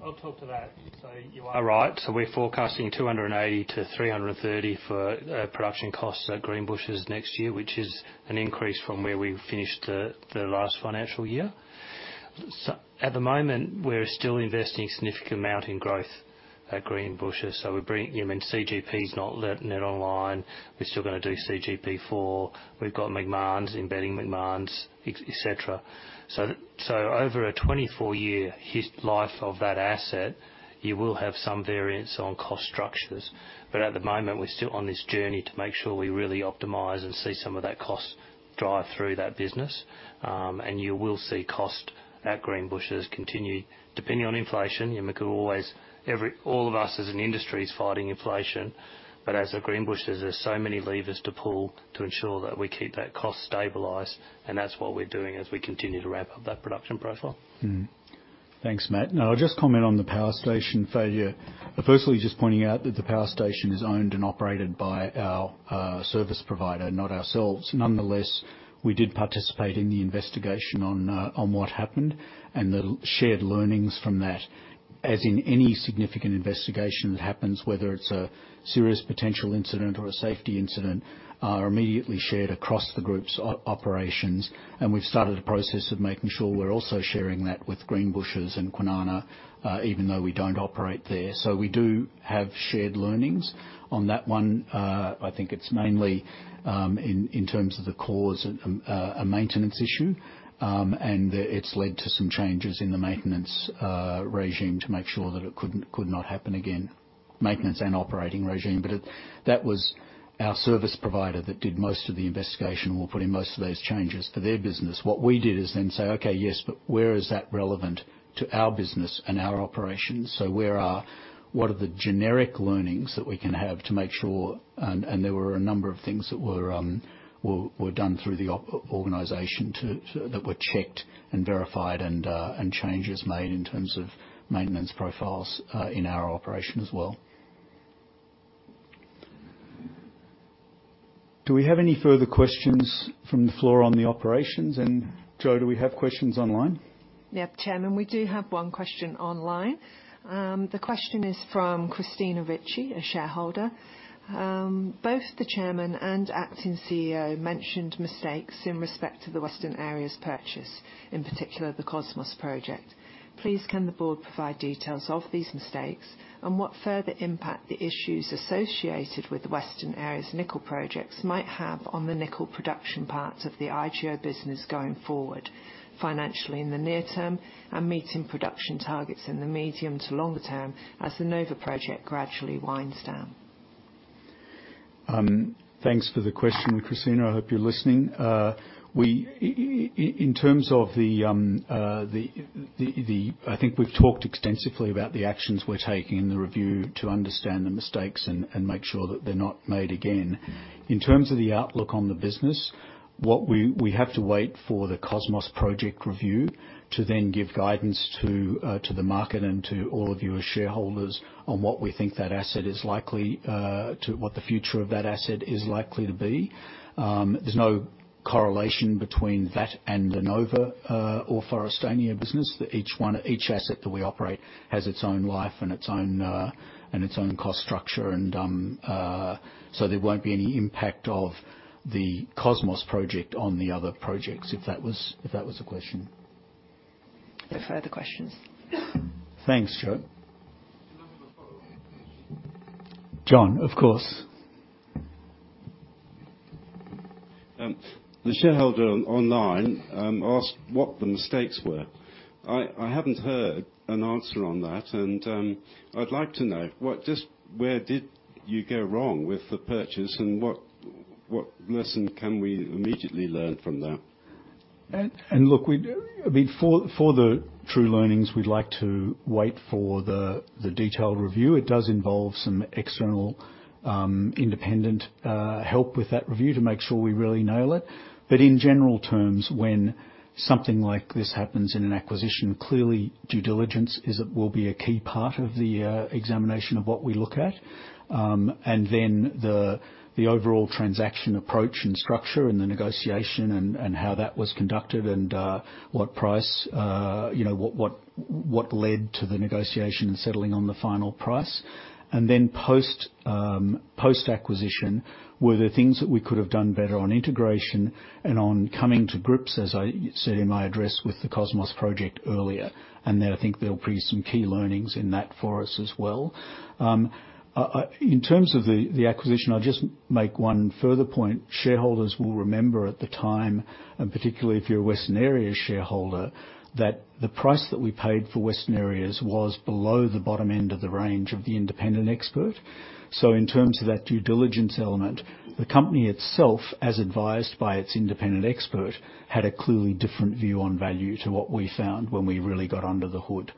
C: I'll talk to that. So you are right. So we're forecasting $280-$330 for production costs at Greenbushes next year, which is an increase from where we finished the last financial year. So at the moment, we're still investing a significant amount in growth at Greenbushes. So we're bringing, you know, when CGP is not yet online, we're still gonna do CGP 4. We've got Macmahon, embedding Macmahon, etc. So over a 24-year life of that asset, you will have some variance on cost structures. But at the moment, we're still on this journey to make sure we really optimize and see some of that cost drive through that business. You will see cost at Greenbushes continue, depending on inflation, and every, all of us as an industry is fighting inflation. But as at Greenbushes, there's so many levers to pull to ensure that we keep that cost stabilized, and that's what we're doing as we continue to ramp up that production profile.
B: Mm. Thanks, Matt. Now, I'll just comment on the power station failure. Firstly, just pointing out that the power station is owned and operated by our service provider, not ourselves. Nonetheless, we did participate in the investigation on what happened and the shared learnings from that, as in any significant investigation that happens, whether it's a serious potential incident or a safety incident, are immediately shared across the group's operations. And we've started a process of making sure we're also sharing that with Greenbushes and Kwinana, even though we don't operate there. So we do have shared learnings. On that one, I think it's mainly in terms of the cause, a maintenance issue, and it's led to some changes in the maintenance regime to make sure that it could not happen again, maintenance and operating regime. But that was our service provider that did most of the investigation, or put in most of those changes for their business. What we did is then say, "Okay, yes, but where is that relevant to our business and our operations? So what are the generic learnings that we can have to make sure..." And there were a number of things that were done through the organization. That were checked and verified, and changes made in terms of maintenance profiles in our operation as well. Do we have any further questions from the floor on the operations? And, Jo, do we have questions online?
A: Yep, Chairman, we do have one question online. The question is from Christina Ritchie, a shareholder. Both the Chairman and Acting CEO mentioned mistakes in respect to the Western Areas purchase, in particular, the Cosmos project. Please, can the board provide details of these mistakes and what further impact the issues associated with Western Areas nickel projects might have on the nickel production parts of the IGO business going forward, financially in the near term and meeting production targets in the medium to longer term, as the Nova project gradually winds down?
B: Thanks for the question, Christina. I hope you're listening. In terms of the... I think we've talked extensively about the actions we're taking in the review to understand the mistakes and make sure that they're not made again. In terms of the outlook on the business, what we have to wait for the Cosmos project review to then give guidance to the market and to all of you as shareholders on what we think that asset is likely to what the future of that asset is likely to be. There's no correlation between that and the Nova or Forrestania business, that each one, each asset that we operate has its own life and its own and its own cost structure. So, there won't be any impact of the Cosmos project on the other projects, if that was, if that was the question.
A: No further questions.
B: Thanks, Jo.
E: Can I have a follow-up question?
B: John, of course.
E: The shareholder online asked what the mistakes were. I haven't heard an answer on that, and I'd like to know, where did you go wrong with the purchase, and what lesson can we immediately learn from that?
B: And look, I mean, for the true learnings, we'd like to wait for the detailed review. It does involve some external independent help with that review to make sure we really nail it. But in general terms, when something like this happens in an acquisition, clearly, due diligence will be a key part of the examination of what we look at. And then the overall transaction approach and structure and the negotiation and how that was conducted, and what price, you know, what led to the negotiation and settling on the final price. And then post-acquisition, were there things that we could have done better on integration and on coming to grips, as I said in my address, with the Cosmos Project earlier? Then I think there'll be some key learnings in that for us as well. In terms of the acquisition, I'll just make one further point. Shareholders will remember at the time, and particularly if you're a Western Areas shareholder, that the price that we paid for Western Areas was below the bottom end of the range of the independent expert. So in terms of that due diligence element, the company itself, as advised by its independent expert, had a clearly different view on value to what we found when we really got under the hood.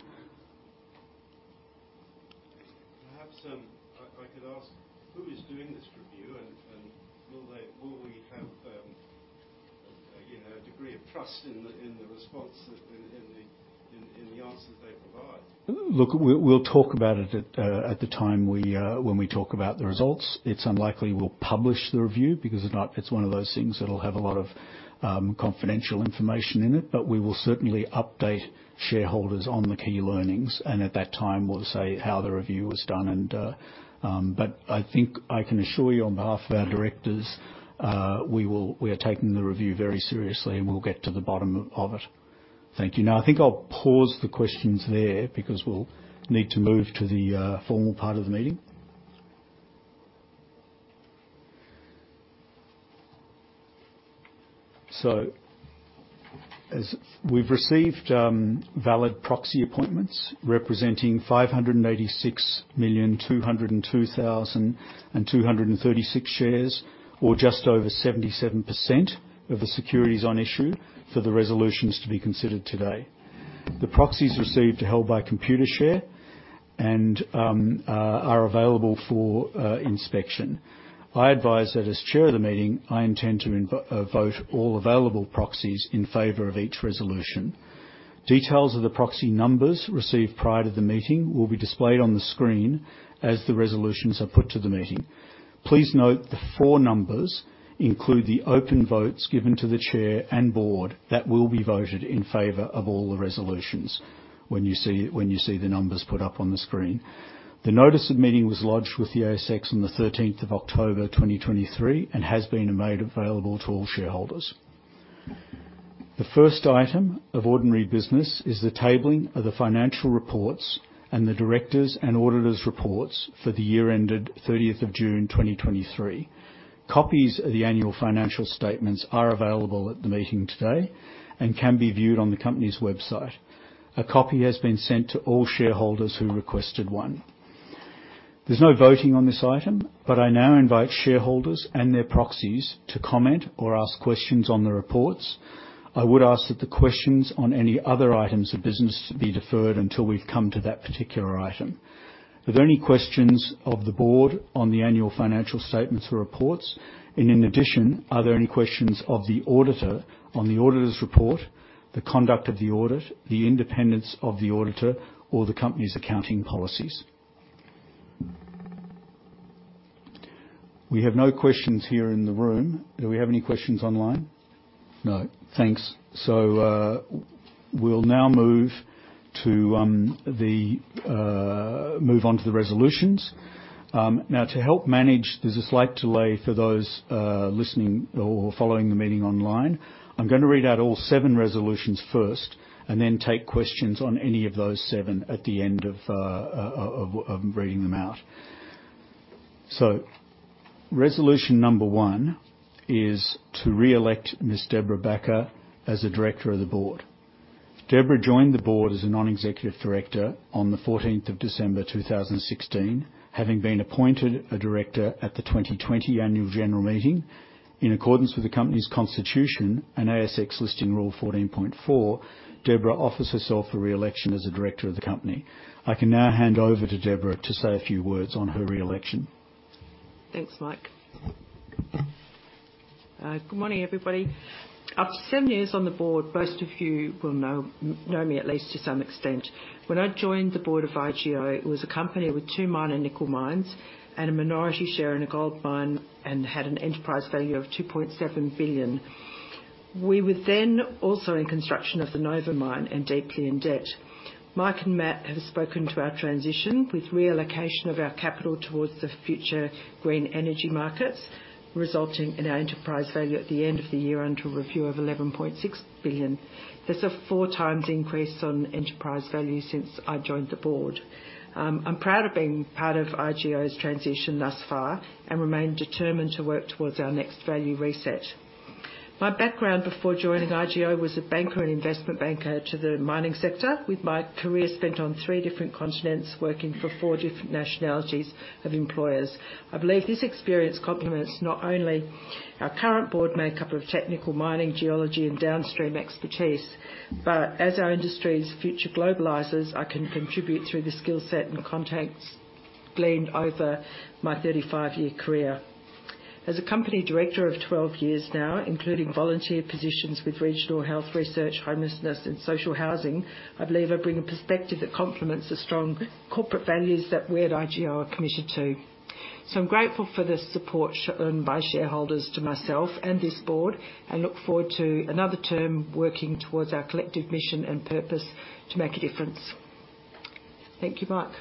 E: Perhaps, I could ask, who is doing this review, and will we have, you know, a degree of trust in the response that in the-...
C: and the answers they provide?
B: Look, we'll, we'll talk about it at, at the time we, when we talk about the results. It's unlikely we'll publish the review because it not-- it's one of those things that'll have a lot of, confidential information in it. But we will certainly update shareholders on the key learnings, and at that time, we'll say how the review was done and. But I think I can assure you on behalf of our directors, we will-- we are taking the review very seriously, and we'll get to the bottom of, of it. Thank you. Now, I think I'll pause the questions there because we'll need to move to the, formal part of the meeting. So as we've received valid proxy appointments representing 586,202,236 shares, or just over 77% of the securities on issue for the resolutions to be considered today. The proxies received are held by Computershare and are available for inspection. I advise that as chair of the meeting, I intend to vote all available proxies in favor of each resolution. Details of the proxy numbers received prior to the meeting will be displayed on the screen as the resolutions are put to the meeting. Please note, the four numbers include the open votes given to the chair and board. That will be voted in favor of all the resolutions when you see the numbers put up on the screen. The notice of meeting was lodged with the ASX on the 13th of October, 2023, and has been made available to all shareholders. The first item of ordinary business is the tabling of the financial reports and the directors' and auditors' reports for the year ended 30th of June, 2023. Copies of the annual financial statements are available at the meeting today and can be viewed on the company's website. A copy has been sent to all shareholders who requested one. There's no voting on this item, but I now invite shareholders and their proxies to comment or ask questions on the reports. I would ask that the questions on any other items of business be deferred until we've come to that particular item. Are there any questions of the board on the annual financial statements or reports? And in addition, are there any questions of the auditor on the auditor's report, the conduct of the audit, the independence of the auditor, or the company's accounting policies? We have no questions here in the room. Do we have any questions online? No. Thanks. So, we'll now move to the resolutions. Now, to help manage, there's a slight delay for those listening or following the meeting online. I'm gonna read out all seven resolutions first, and then take questions on any of those seven at the end of reading them out. So resolution number 1 is to re-elect Ms. Debra Bakker as a director of the board. Debra joined the board as a non-executive director on the 14th of December, 2016, having been appointed a director at the 2020 Annual General Meeting. In accordance with the company's constitution and ASX Listing Rule 14.4, Debra offers herself for re-election as a director of the company. I can now hand over to Debra to say a few words on her re-election.
H: Thanks, Mike. Good morning, everybody. After seven years on the board, most of you will know me, at least to some extent. When I joined the board of IGO, it was a company with two minor nickel mines and a minority share in a gold mine, and had an enterprise value of 2.7 billion. We were then also in construction of the Nova Mine and deeply in debt. Mike and Matt have spoken to our transition with reallocation of our capital towards the future green energy markets, resulting in our enterprise value at the end of the year, under review of 11.6 billion. That's a four times increase on enterprise value since I joined the board. I'm proud of being part of IGO's transition thus far and remain determined to work towards our next value reset. My background before joining IGO was a banker and investment banker to the mining sector, with my career spent on three different continents, working for four different nationalities of employers. I believe this experience complements not only our current board makeup of technical mining, geology, and downstream expertise, but as our industry's future globalizes, I can contribute through the skill set and contacts gleaned over my 35-year career. As a company director of 12 years now, including volunteer positions with regional health research, homelessness, and social housing, I believe I bring a perspective that complements the strong corporate values that we at IGO are committed to. So I'm grateful for the support shown by shareholders to myself and this board. I look forward to another term, working towards our collective mission and purpose to make a difference. Thank you, Mike.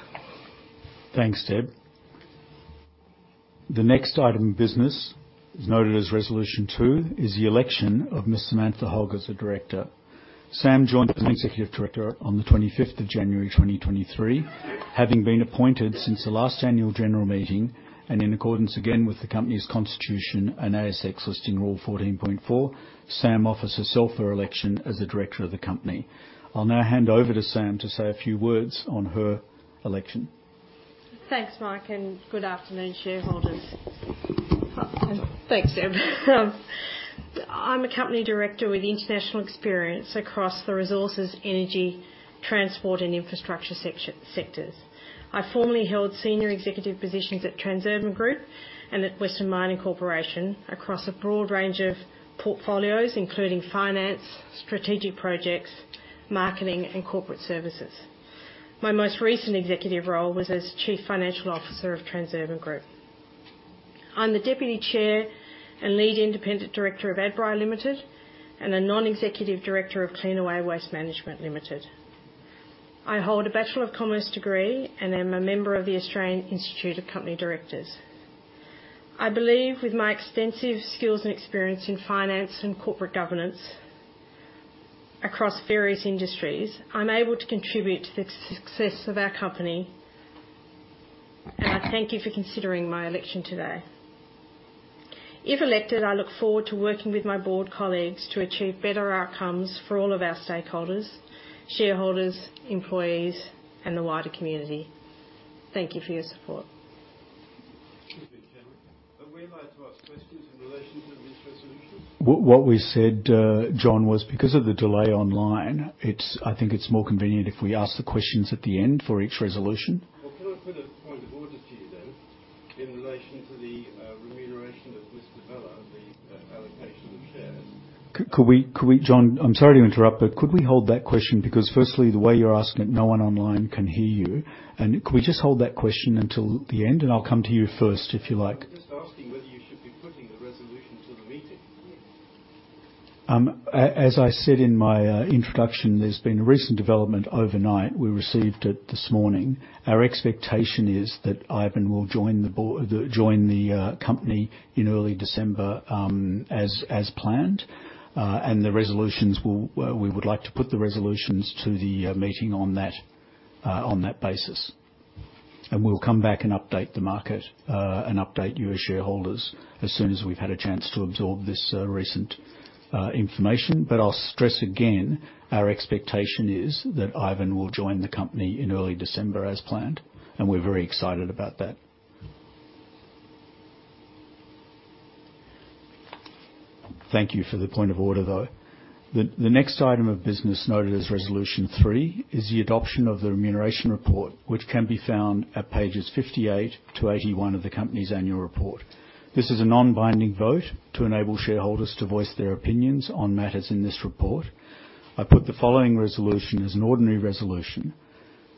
B: Thanks, Deb. The next item of business is noted as Resolution 2, is the election of Ms. Samantha Hogg as a director. Sam joined as an executive director on the 25th of January 2023, having been appointed since the last annual general meeting and in accordance again with the company's constitution and ASX Listing Rule 14.4. Sam offers herself for election as a director of the company. I'll now hand over to Sam to say a few words on her election.
I: Thanks, Mike, and good afternoon, shareholders. Thanks, Deb. I'm a company director with international experience across the resources, energy, transport, and infrastructure sectors. I formerly held senior executive positions at Transurban Group and at Western Mining Corporation across a broad range of portfolios, including finance, strategic projects, marketing, and corporate services. My most recent executive role was as Chief Financial Officer of Transurban Group. I'm the Deputy Chair and Lead Independent Director of Adbri Limited and a non-executive director of Cleanaway Waste Management Limited. I hold a Bachelor of Commerce degree and am a member of the Australian Institute of Company Directors. I believe with my extensive skills and experience in finance and corporate governance across various industries, I'm able to contribute to the success of our company, and I thank you for considering my election today. If elected, I look forward to working with my board colleagues to achieve better outcomes for all of our stakeholders, shareholders, employees, and the wider community. Thank you for your support.
E: Excuse me, Chairman. Are we allowed to ask questions in relation to these resolutions?
B: What we said, John, was because of the delay online, it's. I think it's more convenient if we ask the questions at the end for each resolution.
E: Well, can I put a point of order to you then, in relation to the remuneration of this developer, the allocation of shares?
B: Could we, John, I'm sorry to interrupt, but could we hold that question? Because firstly, the way you're asking it, no one online can hear you. And could we just hold that question until the end? And I'll come to you first, if you like.
E: I'm just asking whether you should be putting the resolution to the meeting?
B: As I said in my introduction, there's been a recent development overnight. We received it this morning. Our expectation is that Ivan will join the board, join the company in early December, as planned. And the resolutions will, we would like to put the resolutions to the meeting on that basis. And we'll come back and update the market, and update you as shareholders, as soon as we've had a chance to absorb this recent information. But I'll stress again, our expectation is that Ivan will join the company in early December as planned, and we're very excited about that. Thank you for the point of order, though. The next item of business, noted as Resolution 3, is the adoption of the remuneration report, which can be found at pages 58 to 81 of the company's annual report. This is a non-binding vote to enable shareholders to voice their opinions on matters in this report. I put the following resolution as an ordinary resolution: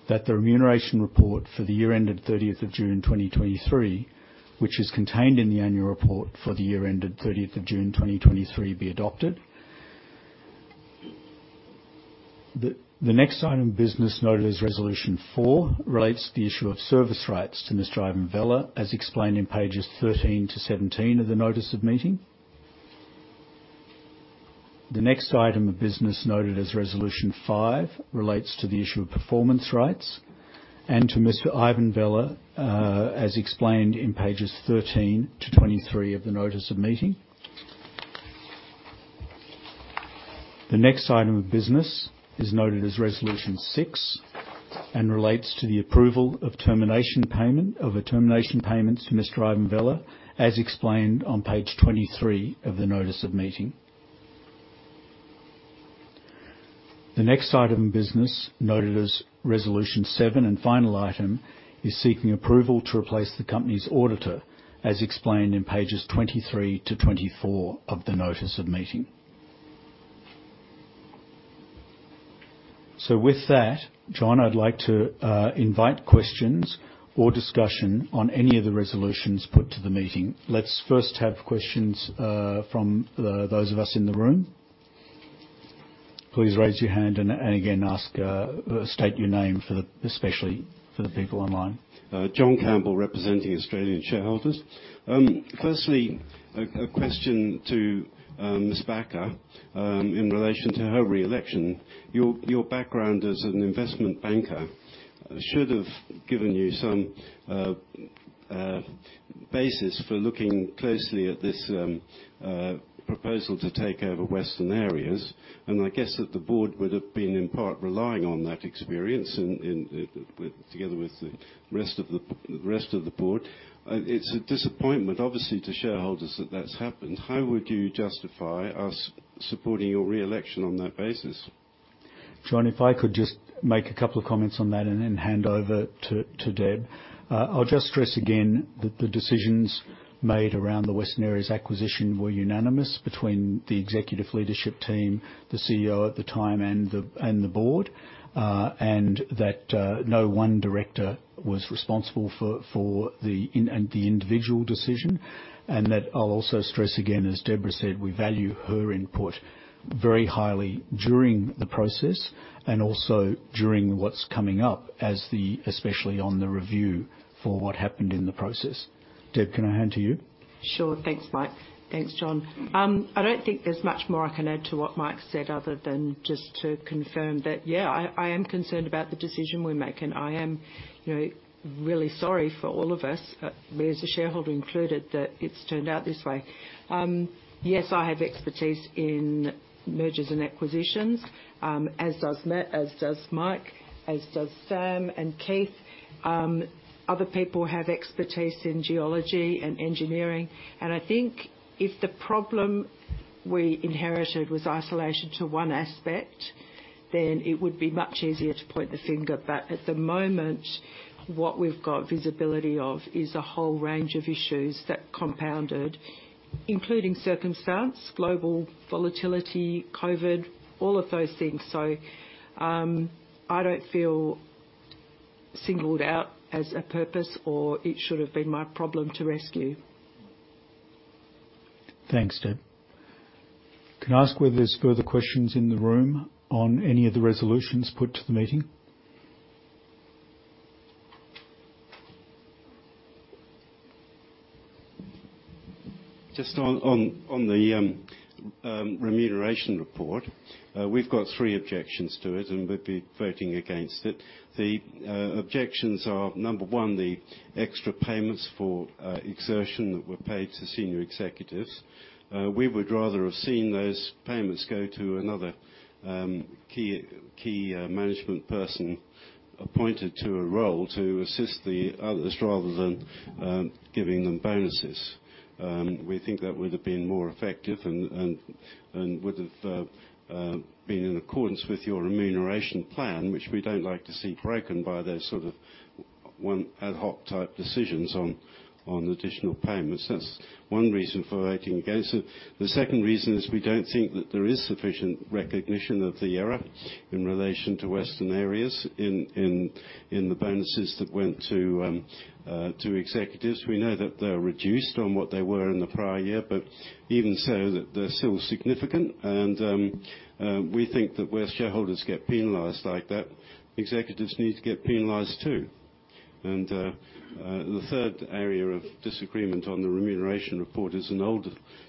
B: that the remuneration report for the year ended thirtieth of June 2023, which is contained in the annual report for the year ended thirtieth of June 2023, be adopted. The next item of business, noted as Resolution 4, relates to the issue of service rights to Mr. Ivan Vella, as explained in pages 13 to 17 of the Notice of Meeting. The next item of business, noted as Resolution 5, relates to the issue of performance rights and to Mr. Ivan Vella, as explained in pages 13 to 23 of the Notice of Meeting. The next item of business is noted as Resolution 6 and relates to the approval of termination payment, of a termination payment to Mr. Ivan Vella, as explained on page 23 of the Notice of Meeting. The next item of business, noted as Resolution 7 and final item, is seeking approval to replace the company's auditor, as explained in pages 23 to 24 of the Notice of Meeting. So with that, John, I'd like to invite questions or discussion on any of the resolutions put to the meeting. Let's first have questions from the, those of us in the room. Please raise your hand and, and again, ask, state your name for the, especially for the people online.
E: John Campbell, representing Australian Shareholders. Firstly, a question to Ms. Bakker in relation to her re-election. Your background as an investment banker should have given you some basis for looking closely at this proposal to take over Western Areas. I guess that the board would have been, in part, relying on that experience together with the rest of the board. It's a disappointment, obviously, to shareholders that that's happened. How would you justify us supporting your re-election on that basis?
B: John, if I could just make a couple of comments on that and then hand over to Deb. I'll just stress again that the decisions made around the Western Areas acquisition were unanimous between the executive leadership team, the CEO at the time, and the board. And that no one director was responsible for the individual decision. And that I'll also stress again, as Debra said, we value her input very highly during the process and also during what's coming up as the, especially on the review for what happened in the process. Deb, can I hand to you?
H: Sure. Thanks, Mike. Thanks, John. I don't think there's much more I can add to what Mike said other than just to confirm that, yeah, I am concerned about the decision we're making. I am, you know, really sorry for all of us, me as a shareholder included, that it's turned out this way. Yes, I have expertise in mergers and acquisitions, as does Mike, as does Sam and Keith. Other people have expertise in geology and engineering, and I think if the problem we inherited was isolated to one aspect, then it would be much easier to point the finger. But at the moment, what we've got visibility of is a whole range of issues that compounded-... including circumstance, global volatility, COVID, all of those things. So, I don't feel singled out as a purpose or it should have been my problem to rescue.
B: Thanks, Deb. Can I ask whether there's further questions in the room on any of the resolutions put to the meeting?
E: Just on the remuneration report, we've got three objections to it, and we'll be voting against it. The objections are, number one, the extra payments for exertion that were paid to senior executives. We would rather have seen those payments go to another key management person appointed to a role to assist the others rather than giving them bonuses. We think that would have been more effective and would have been in accordance with your remuneration plan, which we don't like to see broken by those sort of one ad hoc type decisions on additional payments. That's one reason for voting against it. The second reason is we don't think that there is sufficient recognition of the error in relation to Western Areas in the bonuses that went to executives. We know that they're reduced on what they were in the prior year, but even so, they're still significant. And we think that where shareholders get penalized like that, executives need to get penalized too. And the third area of disagreement on the remuneration report is an old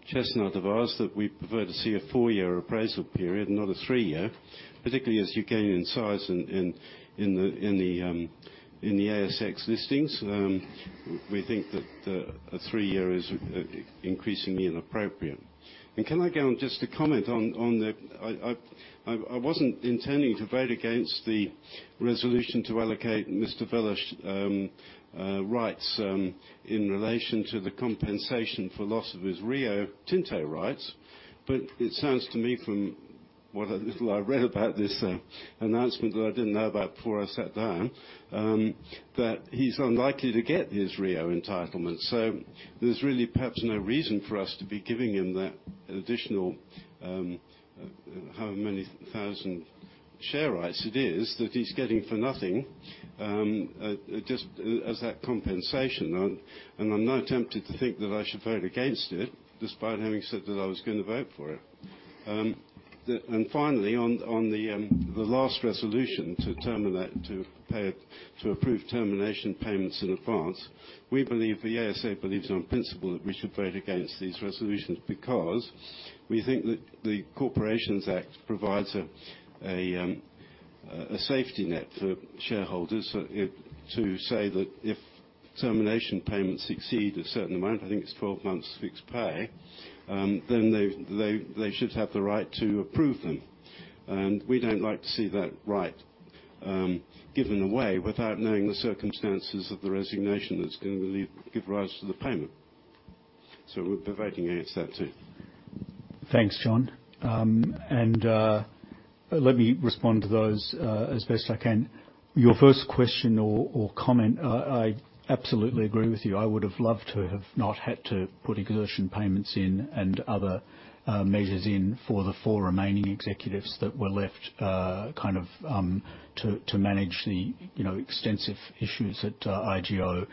E: chestnut of ours, that we prefer to see a four-year appraisal period, not a three-year, particularly as you gain in size in the ASX listings. We think that a three-year is increasingly inappropriate. And can I go on just to comment on the... I wasn't intending to vote against the resolution to allocate Mr. Vella's rights in relation to the compensation for loss of his Rio Tinto rights. But it sounds to me, from what little I read about this announcement that I didn't know about before I sat down, that he's unlikely to get his Rio entitlement. So there's really perhaps no reason for us to be giving him that additional how many thousand share rights it is, that he's getting for nothing just as that compensation. And I'm now tempted to think that I should vote against it, despite having said that I was gonna vote for it. And finally, on the last resolution to approve termination payments in advance, the ASA believes on principle that we should vote against these resolutions because we think that the Corporations Act provides a safety net for shareholders. So, to say that if termination payments exceed a certain amount, I think it's 12 months fixed pay, then they should have the right to approve them. And we don't like to see that right given away without knowing the circumstances of the resignation that's going to give rise to the payment. So we'll be voting against that, too.
B: Thanks, John. Let me respond to those as best I can. Your first question or comment, I absolutely agree with you. I would have loved to have not had to put retention payments in and other measures in for the four remaining executives that were left, kind of, to manage the, you know, extensive issues at IGO,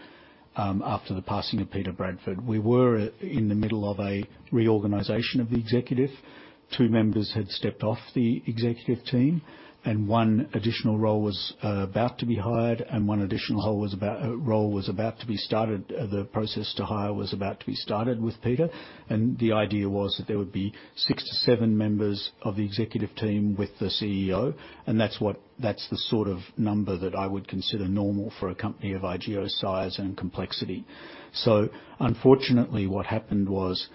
B: after the passing of Peter Bradford. We were in the middle of a reorganization of the executive. Two members had stepped off the executive team, and one additional role was about to be hired, and one additional role was about to be started. The process to hire was about to be started with Peter, and the idea was that there would be 6-7 members of the executive team with the CEO, and that's what—that's the sort of number that I would consider normal for a company of IGO's size and complexity. So unfortunately, what happened was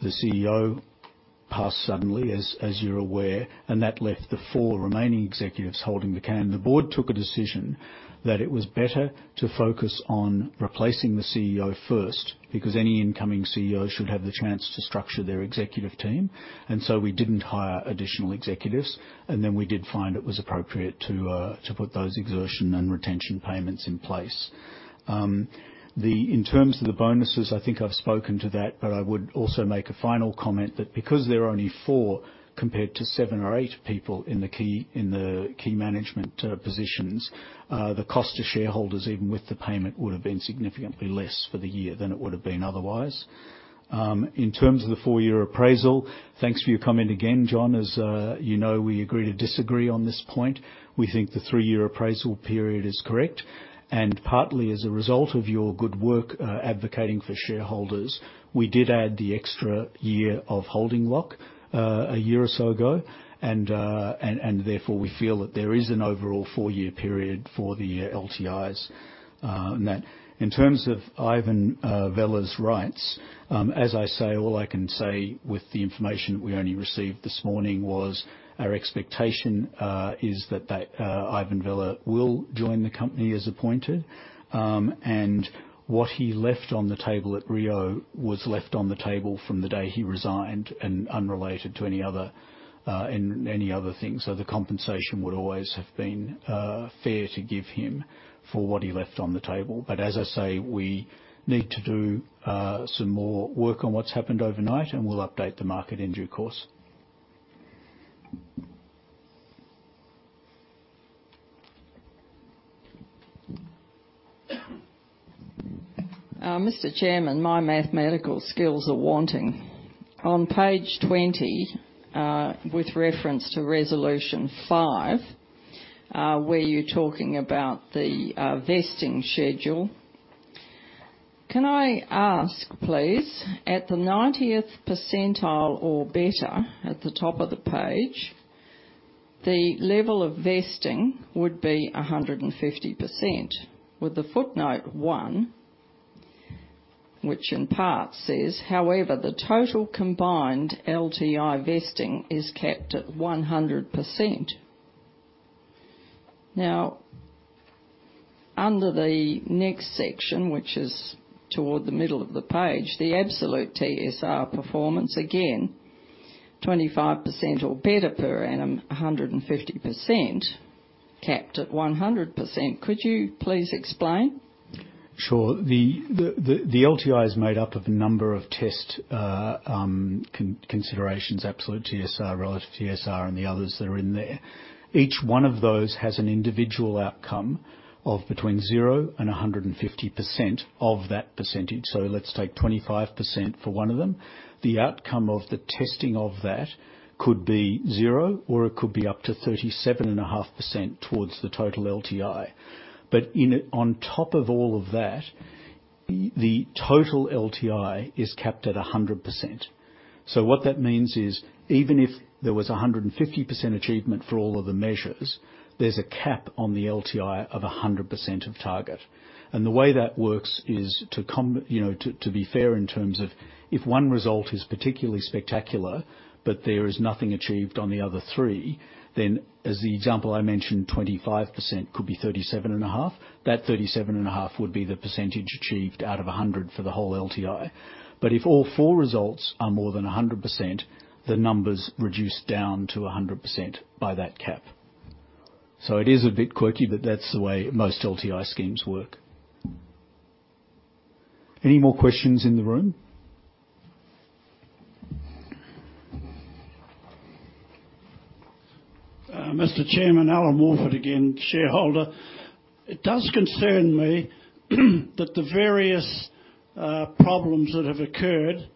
B: the CEO passed suddenly, as you're aware, and that left the 4 remaining executives holding the can. The board took a decision that it was better to focus on replacing the CEO first, because any incoming CEO should have the chance to structure their executive team, and so we didn't hire additional executives, and then we did find it was appropriate to put those exertion and retention payments in place. In terms of the bonuses, I think I've spoken to that, but I would also make a final comment that because there are only four compared to seven or eight people in the key management positions, the cost to shareholders, even with the payment, would have been significantly less for the year than it would have been otherwise. In terms of the 4-year appraisal, thanks for your comment again, John. You know, we agree to disagree on this point. We think the 3-year appraisal period is correct, and partly as a result of your good work advocating for shareholders, we did add the extra year of holding lock a year or so ago. Therefore, we feel that there is an overall 4-year period for the LTIs in that. In terms of Ivan Vella's rights, as I say, all I can say with the information we only received this morning was our expectation is that that Ivan Vella will join the company as appointed. And what he left on the table at Rio was left on the table from the day he resigned and unrelated to any other, any other things. So the compensation would always have been fair to give him for what he left on the table. But as I say, we need to do some more work on what's happened overnight, and we'll update the market in due course. ...
J: Mr. Chairman, my mathematical skills are wanting. On page 20, with reference to resolution 5, where you're talking about the vesting schedule. Can I ask, please, at the 90th percentile or better, at the top of the page, the level of vesting would be 150%, with footnote 1, which in part says, "However, the total combined LTI vesting is capped at 100%." Now, under the next section, which is toward the middle of the page, the absolute TSR performance, again, 25% or better per annum, 150%, capped at 100%. Could you please explain?
B: Sure. The LTI is made up of a number of considerations, absolute TSR, relative TSR, and the others that are in there. Each one of those has an individual outcome of between 0% and 150% of that percentage. So let's take 25% for one of them. The outcome of the testing of that could be 0%, or it could be up to 37.5% towards the total LTI. But in it, on top of all of that, the total LTI is capped at 100%. So what that means is, even if there was 150% achievement for all of the measures, there's a cap on the LTI of 100% of target. The way that works is, you know, to be fair, in terms of if one result is particularly spectacular, but there is nothing achieved on the other three, then as the example I mentioned, 25% could be 37.5. That 37.5 would be the percentage achieved out of 100 for the whole LTI. But if all four results are more than 100%, the numbers reduce down to 100% by that cap. So it is a bit quirky, but that's the way most LTI schemes work. Any more questions in the room?
D: Mr. Chairman, Alan Morford again, shareholder. It does concern me that the various problems that have occurred,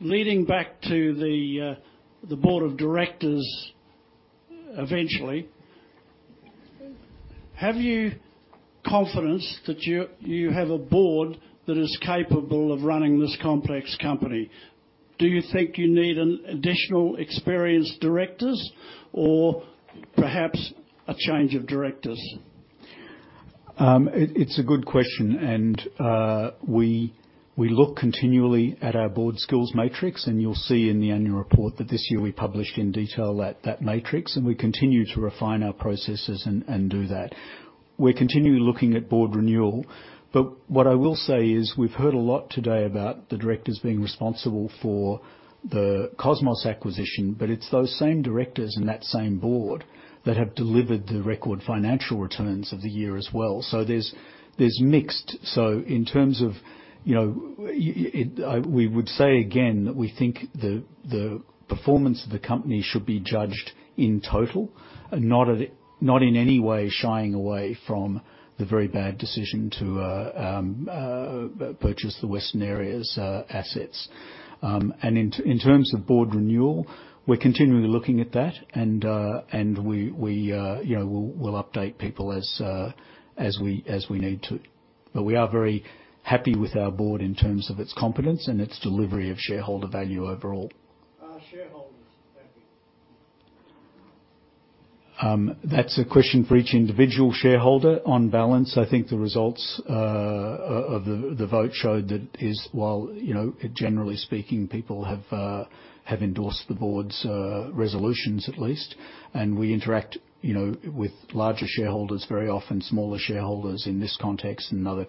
D: leading back to the, the board of directors, eventually. Have you confidence that you, you have a board that is capable of running this complex company? Do you think you need an additional experienced directors or perhaps a change of directors?
B: It's a good question, and we look continually at our board skills matrix, and you'll see in the annual report that this year we published in detail that matrix, and we continue to refine our processes and do that. We're continually looking at board renewal, but what I will say is, we've heard a lot today about the directors being responsible for the Cosmos acquisition, but it's those same directors and that same board that have delivered the record financial returns of the year as well. So there's mixed. So in terms of, you know, it... We would say again, that we think the performance of the company should be judged in total, and not in any way shying away from the very bad decision to purchase the Western Areas assets. And in terms of board renewal, we're continually looking at that, and we, you know, we'll update people as we need to. But we are very happy with our board in terms of its competence and its delivery of shareholder value overall.
D: Are shareholders happy?
B: That's a question for each individual shareholder. On balance, I think the results of the vote showed that while, you know, generally speaking, people have endorsed the board's resolutions at least. We interact, you know, with larger shareholders, very often smaller shareholders in this context and in other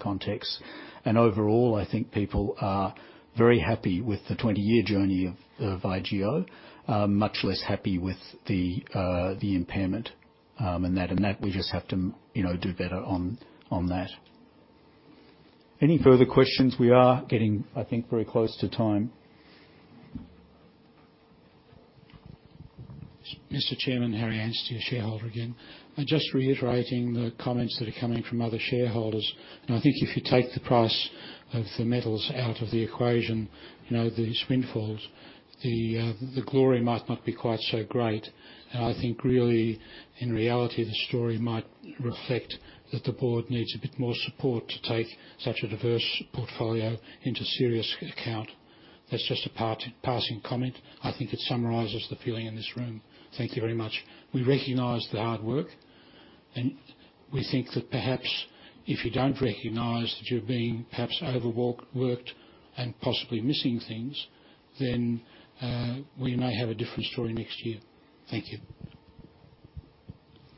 B: contexts. Overall, I think people are very happy with the 20-year journey of IGO. Much less happy with the impairment, and that we just have to, you know, do better on that. Any further questions? We are getting, I think, very close to time.
G: Mr. Chairman, Harry Anstey, a shareholder again. I'm just reiterating the comments that are coming from other shareholders, and I think if you take the price of the metals out of the equation, you know, the spin-offs, the, the glory might not be quite so great. And I think really, in reality, the story might reflect that the board needs a bit more support to take such a diverse portfolio into serious account. That's just a passing comment. I think it summarizes the feeling in this room. Thank you very much. We recognize the hard work, and we think that perhaps if you don't recognize that you're being perhaps overworked and possibly missing things, then, we may have a different story next year. Thank you.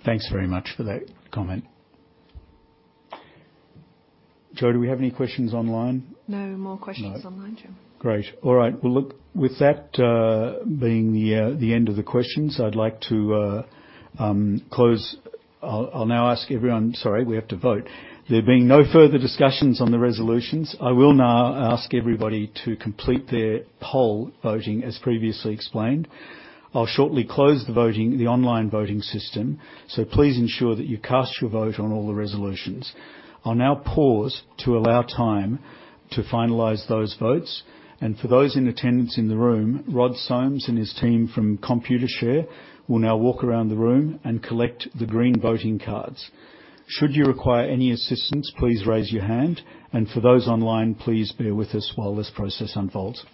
B: Thanks very much for that comment. Joe, do we have any questions online?
A: No more questions online, Joe.
B: Great! All right. Well, look, with that being the end of the questions, I'd like to close. I'll now ask everyone. Sorry, we have to vote. There being no further discussions on the resolutions, I will now ask everybody to complete their poll voting as previously explained. I'll shortly close the voting, the online voting system, so please ensure that you cast your vote on all the resolutions. I'll now pause to allow time to finalize those votes, and for those in attendance in the room, Rod Somes and his team from Computershare will now walk around the room and collect the green voting cards. Should you require any assistance, please raise your hand, and for those online, please bear with us while this process unfolds.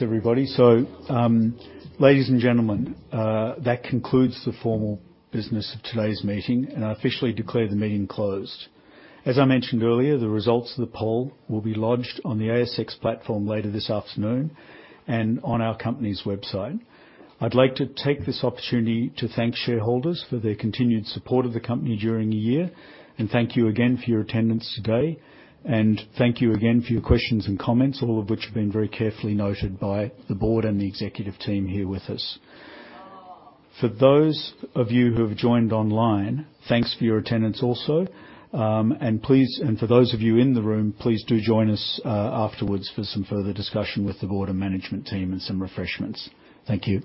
B: All right. Thanks, everybody. So, ladies and gentlemen, that concludes the formal business of today's meeting, and I officially declare the meeting closed. As I mentioned earlier, the results of the poll will be lodged on the ASX platform later this afternoon and on our company's website. I'd like to take this opportunity to thank shareholders for their continued support of the company during the year, and thank you again for your attendance today. And thank you again for your questions and comments, all of which have been very carefully noted by the board and the executive team here with us. For those of you who have joined online, thanks for your attendance also. And please, and for those of you in the room, please do join us, afterwards for some further discussion with the board and management team and some refreshments. Thank you.